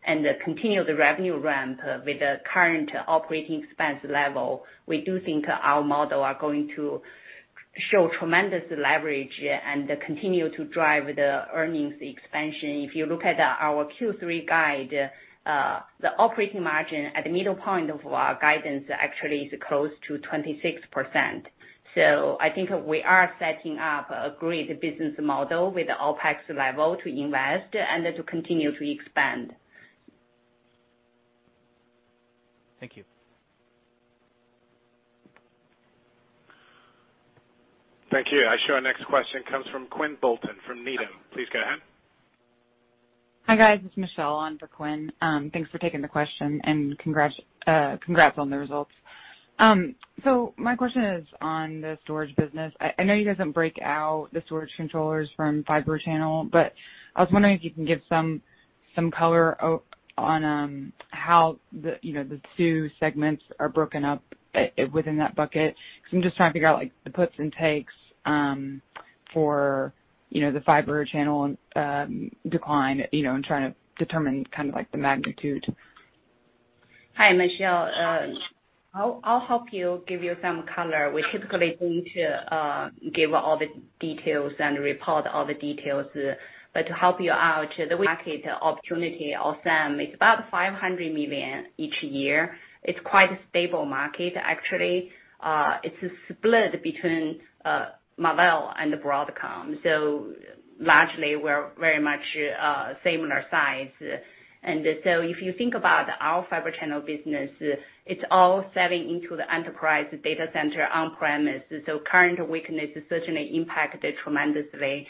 digits. Continue the revenue ramp with the current operating expense level, we do think our model are going to show tremendous leverage and continue to drive the earnings expansion. If you look at our Q3 guide, the operating margin at the middle point of our guidance actually is close to 26%. I think we are setting up a great business model with the OpEx level to invest and to continue to expand. Thank you. Thank you. I show our next question comes from Quinn Bolton from Needham. Please go ahead. Hi, guys. It's Michelle on for Quinn. Thanks for taking the question and congrats on the results. My question is on the storage business. I know you guys don't break out the storage controllers from Fibre Channel, but I was wondering if you can give some color on how the two segments are broken up within that bucket. Because I'm just trying to figure out the puts and takes for the Fibre Channel decline, and trying to determine kind of the magnitude? Hi, Michelle. I'll help you, give you some color. We're typically going to give all the details and report all the details. To help you out, the market opportunity of SAN is about $500 million each year. It's quite a stable market, actually. It's a split between Marvell and Broadcom. Largely, we're very much similar size. If you think about our Fibre Channel business, it's all selling into the enterprise data center on premise. Current weakness has certainly impacted tremendously.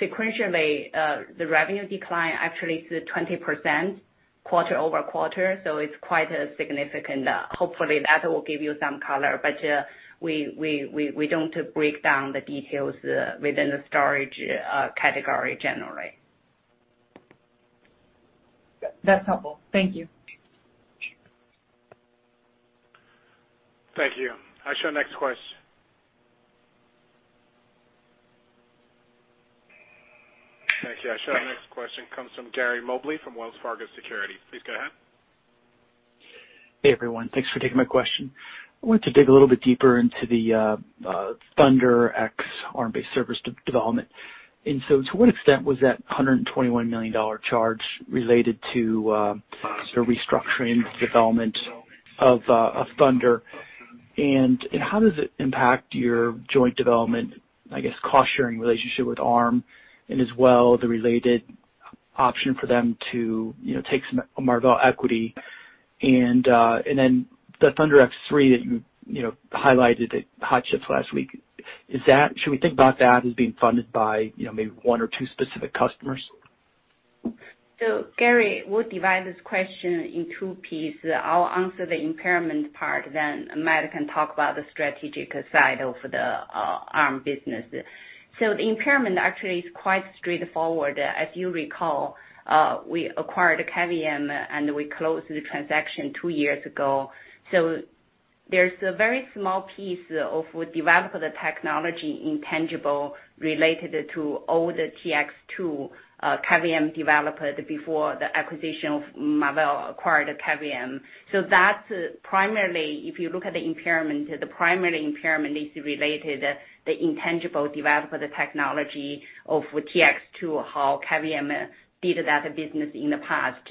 Sequentially, the revenue decline actually is 20% quarter-over-quarter, it's quite significant. Hopefully, that will give you some color. We don't break down the details within the storage category generally. That's helpful. Thank you. Thank you. Our next question comes from Gary Mobley from Wells Fargo Securities. Please go ahead. Hey, everyone. Thanks for taking my question. I wanted to dig a little bit deeper into the ThunderX Arm-based server development. To what extent was that $121 million charge related to sort of restructuring the development of ThunderX? How does it impact your joint development, I guess, cost sharing relationship with Arm and as well, the related option for them to take some Marvell equity? The ThunderX3 that you highlighted at Hot Chips last week, should we think about that as being funded by maybe one or two specific customers? Gary, we'll divide this question in two pieces. I'll answer the impairment part, then Matt can talk about the strategic side of the Arm business. The impairment actually is quite straightforward. As you recall, we acquired Cavium, and we closed the transaction two years ago. There's a very small piece of develop the technology intangible related to older ThunderX2 Cavium developed before the acquisition of Marvell acquired Cavium. That's primarily, if you look at the impairment, the primary impairment is related the intangible develop the technology of ThunderX2, how Cavium did that business in the past.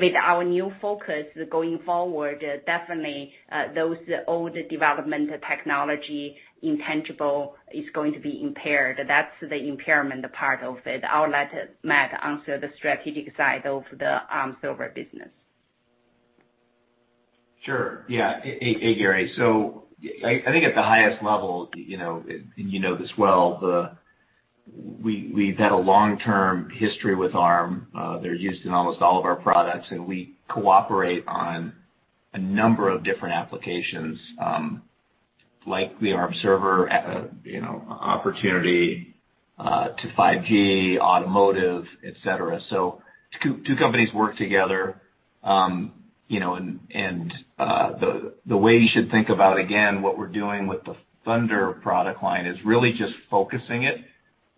With our new focus going forward, definitely those old development technology intangible is going to be impaired. That's the impairment part of it. I'll let Matt answer the strategic side of the Arm server business. Sure. Yeah. Hey, Gary. I think at the highest level, and you know this well, we've had a long-term history with Arm. They're used in almost all of our products, and we cooperate on a number of different applications, like the Arm server opportunity to 5G, automotive, et cetera. Two companies work together, and the way you should think about, again, what we're doing with the Thunder product line is really just focusing it.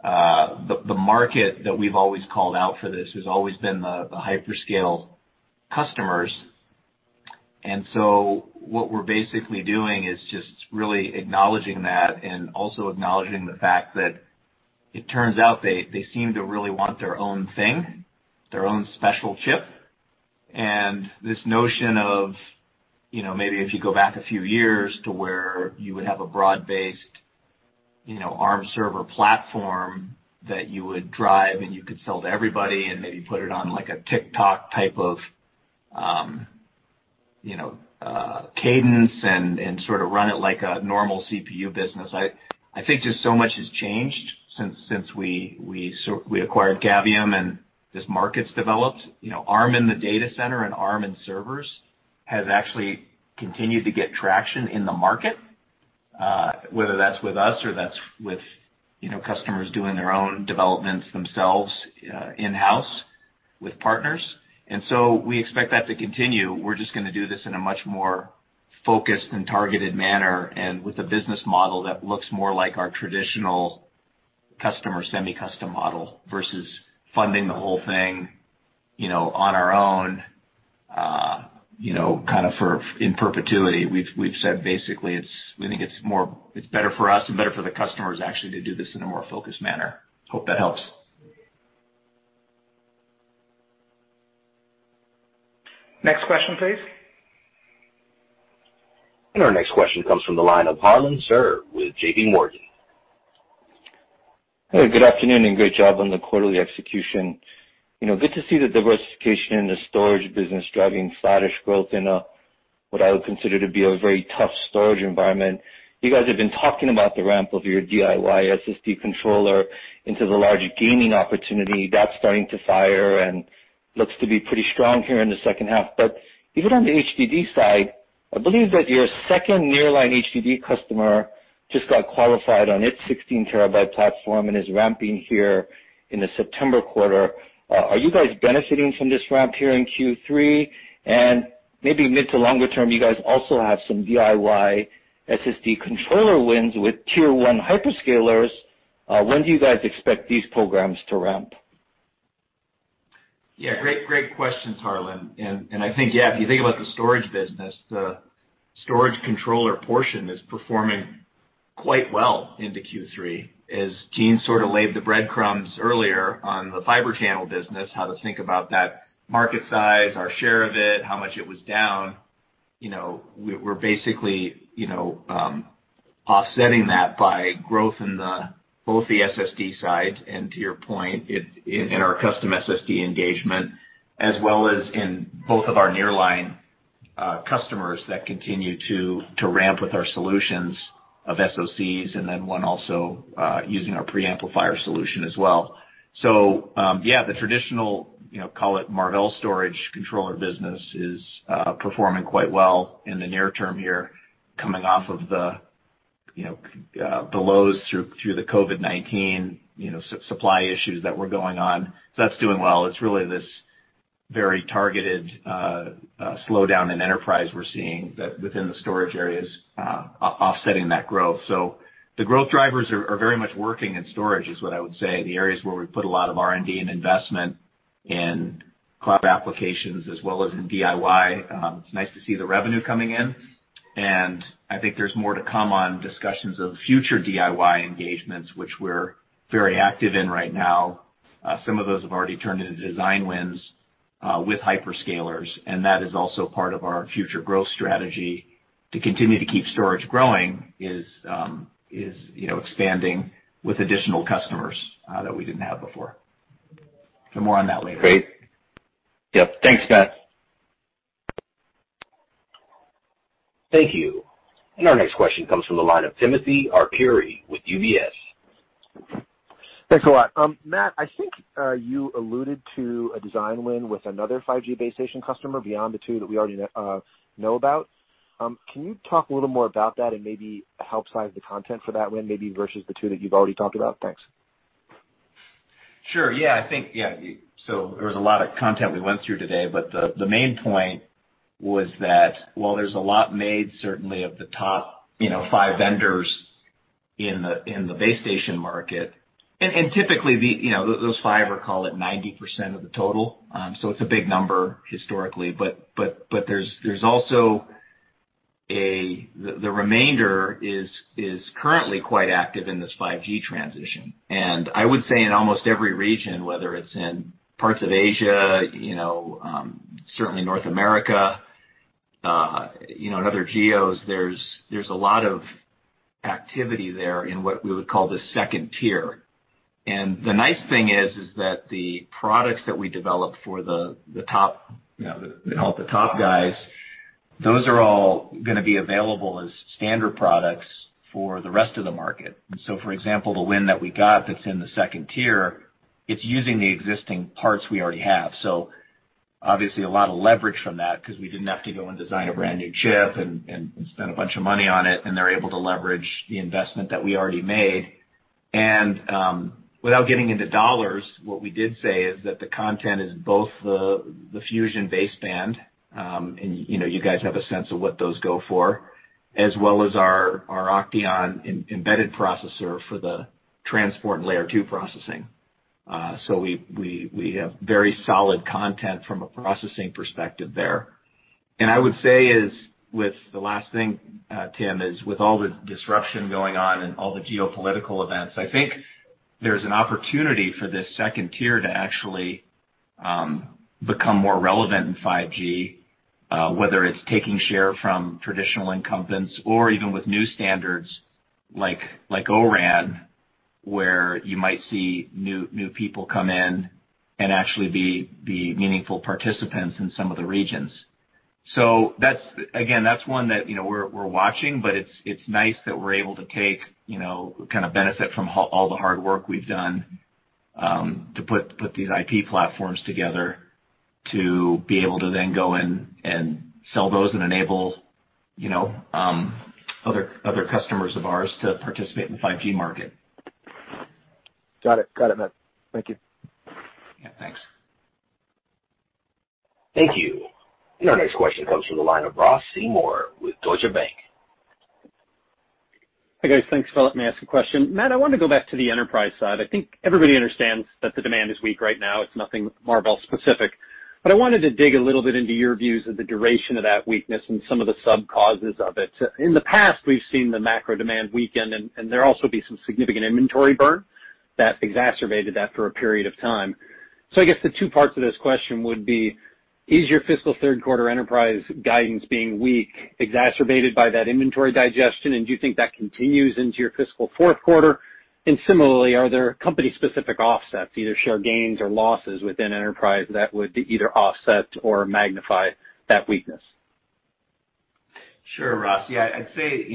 The market that we've always called out for this has always been the hyperscale customers. What we're basically doing is just really acknowledging that and also acknowledging the fact that it turns out they seem to really want their own thing, their own special chip. This notion of maybe if you go back a few years to where you would have a broad-based Arm server platform that you would drive and you could sell to everybody and maybe put it on like a tick-tock type of cadence and sort of run it like a normal CPU business. I think just so much has changed since we acquired Cavium and this market's developed. Arm in the data center and Arm in servers has actually continued to get traction in the market, whether that's with us or that's with customers doing their own developments themselves in-house with partners. We expect that to continue. We're just going to do this in a much more focused and targeted manner and with a business model that looks more like our traditional customer, semi-custom model versus funding the whole thing on our own kind of in perpetuity. We've said basically we think it's better for us and better for the customers actually to do this in a more focused manner. Hope that helps. Next question, please. Our next question comes from the line of Harlan Sur with JPMorgan. Hey, good afternoon and good job on the quarterly execution. Good to see the diversification in the storage business driving flattish growth in a, what I would consider to be a very tough storage environment. You guys have been talking about the ramp of your DIY SSD controller into the large gaming opportunity. That's starting to fire and looks to be pretty strong here in the second half. Even on the HDD side, I believe that your second nearline HDD customer just got qualified on its 16 TB platform and is ramping here in the September quarter. Are you guys benefiting from this ramp here in Q3, and maybe mid to longer term, you guys also have some DIY SSD controller wins with tier one hyperscalers? When do you guys expect these programs to ramp? Yeah. Great question, Harlan. I think, if you think about the storage business, the storage controller portion is performing quite well into Q3. As Jean sort of laid the breadcrumbs earlier on the Fibre Channel business, how to think about that market size, our share of it, how much it was down, we're basically offsetting that by growth in both the SSD side and to your point, in our custom SSD engagement, as well as in both of our nearline customers that continue to ramp with our solutions of SoCs, and then one also using our preamplifier solution as well. Yeah, the traditional, call it Marvell storage controller business, is performing quite well in the near term here, coming off of the lows through the COVID-19 supply issues that were going on. That's doing well. It's really this very targeted slowdown in enterprise we're seeing within the storage areas offsetting that growth. The growth drivers are very much working in storage, is what I would say. The areas where we put a lot of R&D and investment in cloud applications as well as in DIY. It's nice to see the revenue coming in, and I think there's more to come on discussions of future DIY engagements, which we're very active in right now. Some of those have already turned into design wins with hyperscalers, and that is also part of our future growth strategy to continue to keep storage growing is expanding with additional customers that we didn't have before. More on that later. Great. Yep. Thanks, Matt. Thank you. Our next question comes from the line of Timothy Arcuri with UBS. Thanks a lot. Matt, I think you alluded to a design win with another 5G base station customer beyond the two that we already know about. Can you talk a little more about that and maybe help size the content for that win, maybe versus the two that you've already talked about? Thanks. Sure. Yeah, I think there was a lot of content we went through today, but the main point was that while there's a lot made, certainly of the top five vendors in the base station market, and typically those five are, call it 90% of the total. It's a big number historically. There's also the remainder is currently quite active in this 5G transition. I would say in almost every region, whether it's in parts of Asia, certainly North America, and other geos, there's a lot of activity there in what we would call the second tier. The nice thing is that the products that we develop for all the top guys, those are all going to be available as standard products for the rest of the market. For example, the win that we got that's in the second tier, it's using the existing parts we already have. Obviously a lot of leverage from that because we didn't have to go and design a brand new chip and spend a bunch of money on it, and they're able to leverage the investment that we already made. Without getting into dollars, what we did say is that the content is both the Fusion baseband, and you guys have a sense of what those go for, as well as our OCTEON embedded processor for the transport and Layer 2 processing. We have very solid content from a processing perspective there. I would say is with the last thing, Tim, is with all the disruption going on and all the geopolitical events, I think there's an opportunity for this second tier to actually become more relevant in 5G, whether it's taking share from traditional incumbents or even with new standards like O-RAN, where you might see new people come in and actually be meaningful participants in some of the regions. Again, that's one that we're watching, but it's nice that we're able to take, kind of benefit from all the hard work we've done to put these IP platforms together, to be able to then go in and sell those and enable other customers of ours to participate in the 5G market. Got it. Got it, Matt. Thank you. Yeah, thanks. Thank you. Our next question comes from the line of Ross Seymore with Deutsche Bank. Hi, guys. Thanks for letting me ask a question. Matt, I wanted to go back to the enterprise side. I think everybody understands that the demand is weak right now. It's nothing Marvell specific, but I wanted to dig a little bit into your views of the duration of that weakness and some of the sub causes of it. In the past, we've seen the macro demand weaken and there also be some significant inventory burn that exacerbated that for a period of time. I guess the two parts of this question would be: Is your fiscal third quarter enterprise guidance being weak exacerbated by that inventory digestion? Do you think that continues into your fiscal fourth quarter? Similarly, are there company specific offsets, either share gains or losses within enterprise that would either offset or magnify that weakness? Sure, Ross. Yeah, I'd say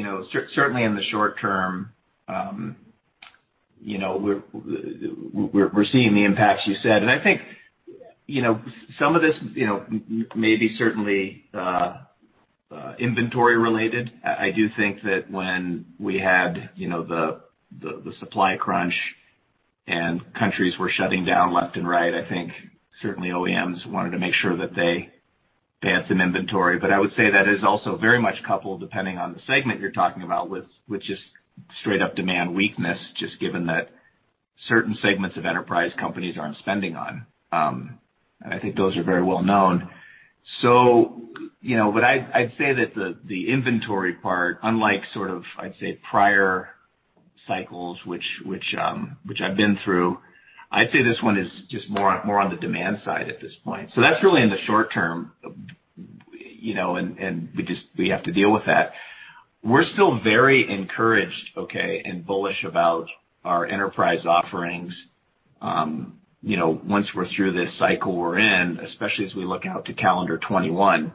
certainly in the short term, we're seeing the impacts you said. I think some of this may be certainly inventory related. I do think that when we had the supply crunch and countries were shutting down left and right, I think certainly OEMs wanted to make sure that they'd have inventory. I would say that is also very much coupled depending on the segment you're talking about, with just straight up demand weakness, just given that certain segments of enterprise companies aren't spending on. I think those are very well known. What I'd say that the inventory part, unlike sort of, I'd say, prior cycles which I've been through, I'd say this one is just more on the demand side at this point. That's really in the short term, and we have to deal with that. We're still very encouraged, and bullish about our enterprise offerings, once we're through this cycle we're in, especially as we look out to calendar 2021.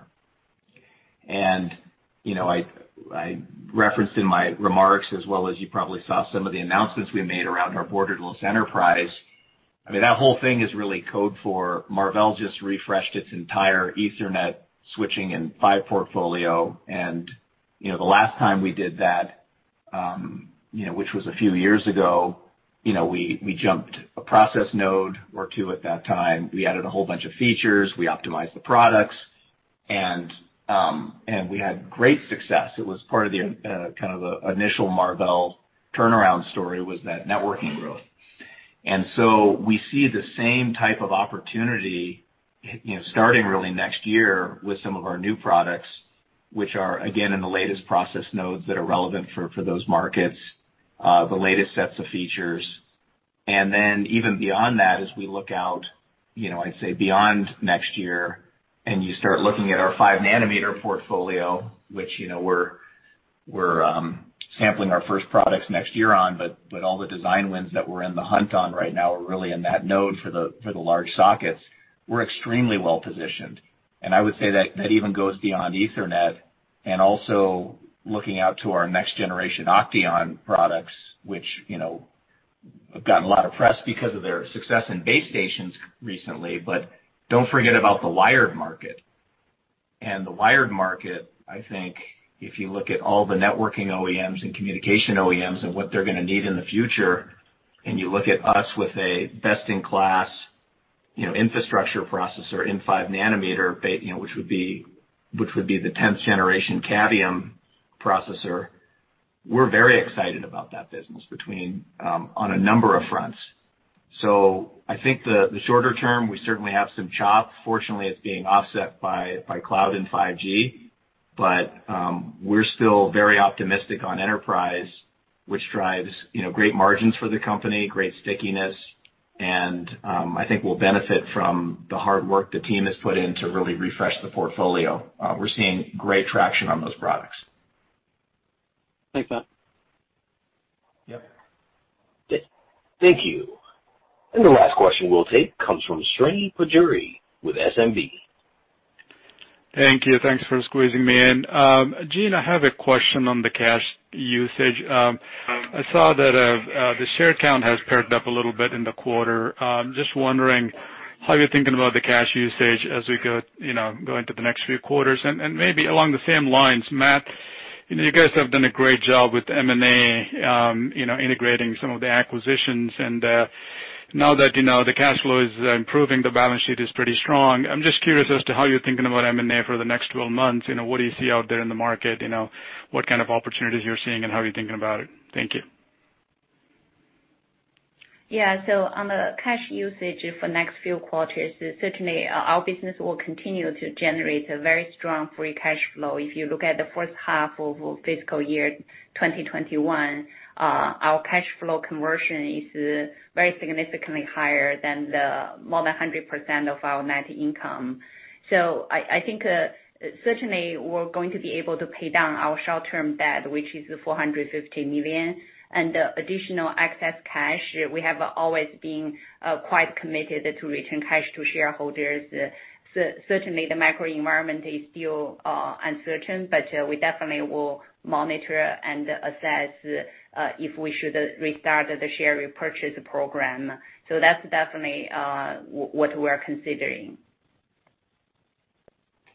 I referenced in my remarks, as well as you probably saw some of the announcements we made around our borderless enterprise. I mean, that whole thing is really code for Marvell just refreshed its entire Ethernet switching and PHY portfolio. The last time we did that, which was a few years ago, we jumped a process node or two at that time. We added a whole bunch of features. We optimized the products. We had great success. It was part of the initial Marvell turnaround story, was that networking growth. We see the same type of opportunity starting really next year with some of our new products, which are, again, in the latest process nodes that are relevant for those markets, the latest sets of features. Even beyond that, as we look out, I'd say beyond next year, and you start looking at our five nanometer portfolio, which we're sampling our first products next year on, but all the design wins that we're in the hunt on right now are really in that node for the large sockets. We're extremely well positioned. I would say that even goes beyond Ethernet and also looking out to our next generation OCTEON products, which have gotten a lot of press because of their success in base stations recently, but don't forget about the wired market. The wired market, I think if you look at all the networking OEMs and communication OEMs and what they're going to need in the future, and you look at us with a best-in-class infrastructure processor in five nanometer, which would be the 10th generation Cavium processor, we're very excited about that business on a number of fronts. I think the shorter term, we certainly have some chop. Fortunately, it's being offset by cloud and 5G. We're still very optimistic on enterprise, which drives great margins for the company, great stickiness, and I think we'll benefit from the hard work the team has put in to really refresh the portfolio. We're seeing great traction on those products. Thanks, Matt. Yep. Thank you. The last question we'll take comes from Srini Pajjuri with SMBC. Thank you. Thanks for squeezing me in. Jean, I have a question on the cash usage. I saw that the share count has perked up a little bit in the quarter. Just wondering how you're thinking about the cash usage as we go into the next few quarters. Maybe along the same lines, Matt, you guys have done a great job with M&A, integrating some of the acquisitions. Now that the cash flow is improving, the balance sheet is pretty strong. I'm just curious as to how you're thinking about M&A for the next 12 months. What do you see out there in the market? What kind of opportunities you're seeing, and how are you thinking about it? Thank you. On the cash usage for next few quarters, certainly our business will continue to generate a very strong free cash flow. If you look at the first half of fiscal year 2021, our cash flow conversion is very significantly higher than the more than 100% of our net income. I think certainly we're going to be able to pay down our short-term debt, which is $450 million. Additional excess cash, we have always been quite committed to return cash to shareholders. Certainly, the macro environment is still uncertain, but we definitely will monitor and assess if we should restart the share repurchase program. That's definitely what we're considering.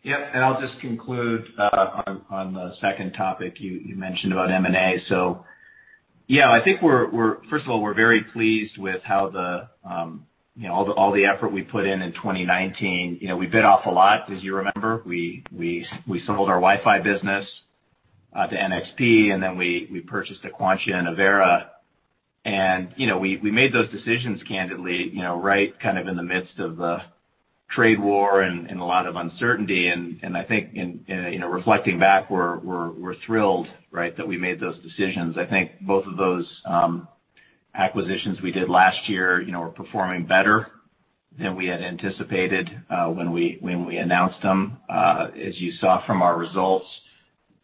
Yep. I'll just conclude on the second topic you mentioned about M&A. Yeah, I think first of all, we're very pleased with all the effort we put in in 2019. We bit off a lot, as you remember. We sold our Wi-Fi business to NXP, and then we purchased Aquantia and Avera. We made those decisions candidly right kind of in the midst of the trade war and a lot of uncertainty. I think in reflecting back, we're thrilled, right, that we made those decisions. I think both of those acquisitions we did last year are performing better than we had anticipated when we announced them. As you saw from our results,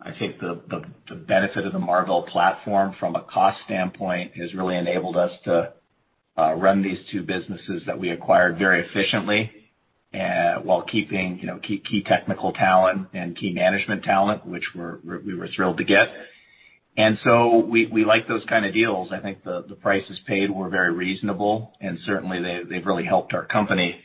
I think the benefit of the Marvell platform from a cost standpoint has really enabled us to run these two businesses that we acquired very efficiently, while keeping key technical talent and key management talent, which we were thrilled to get. We like those kind of deals. I think the prices paid were very reasonable and certainly they've really helped our company.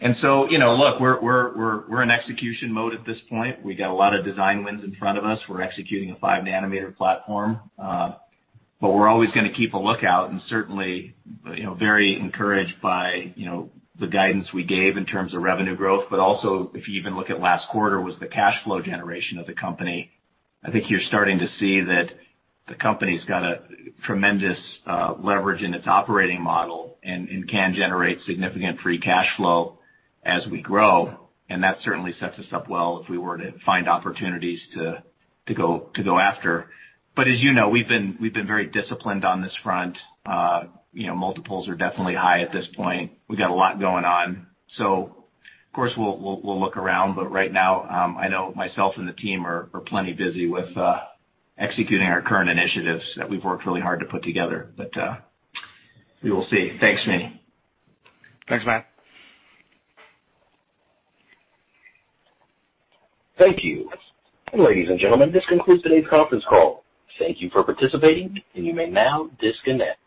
Look, we're in execution mode at this point. We've got a lot of design wins in front of us. We're executing a five nanometer platform. We're always going to keep a lookout and certainly very encouraged by the guidance we gave in terms of revenue growth. Also, if you even look at last quarter, was the cash flow generation of the company. I think you're starting to see that the company's got a tremendous leverage in its operating model and can generate significant free cash flow as we grow, and that certainly sets us up well if we were to find opportunities to go after. As you know, we've been very disciplined on this front. Multiples are definitely high at this point. We've got a lot going on. Of course, we'll look around, but right now, I know myself and the team are plenty busy with executing our current initiatives that we've worked really hard to put together. We will see. Thanks, Srini. Thanks, Matt. Thank you. Ladies and gentlemen, this concludes today's conference call. Thank you for participating, and you may now disconnect.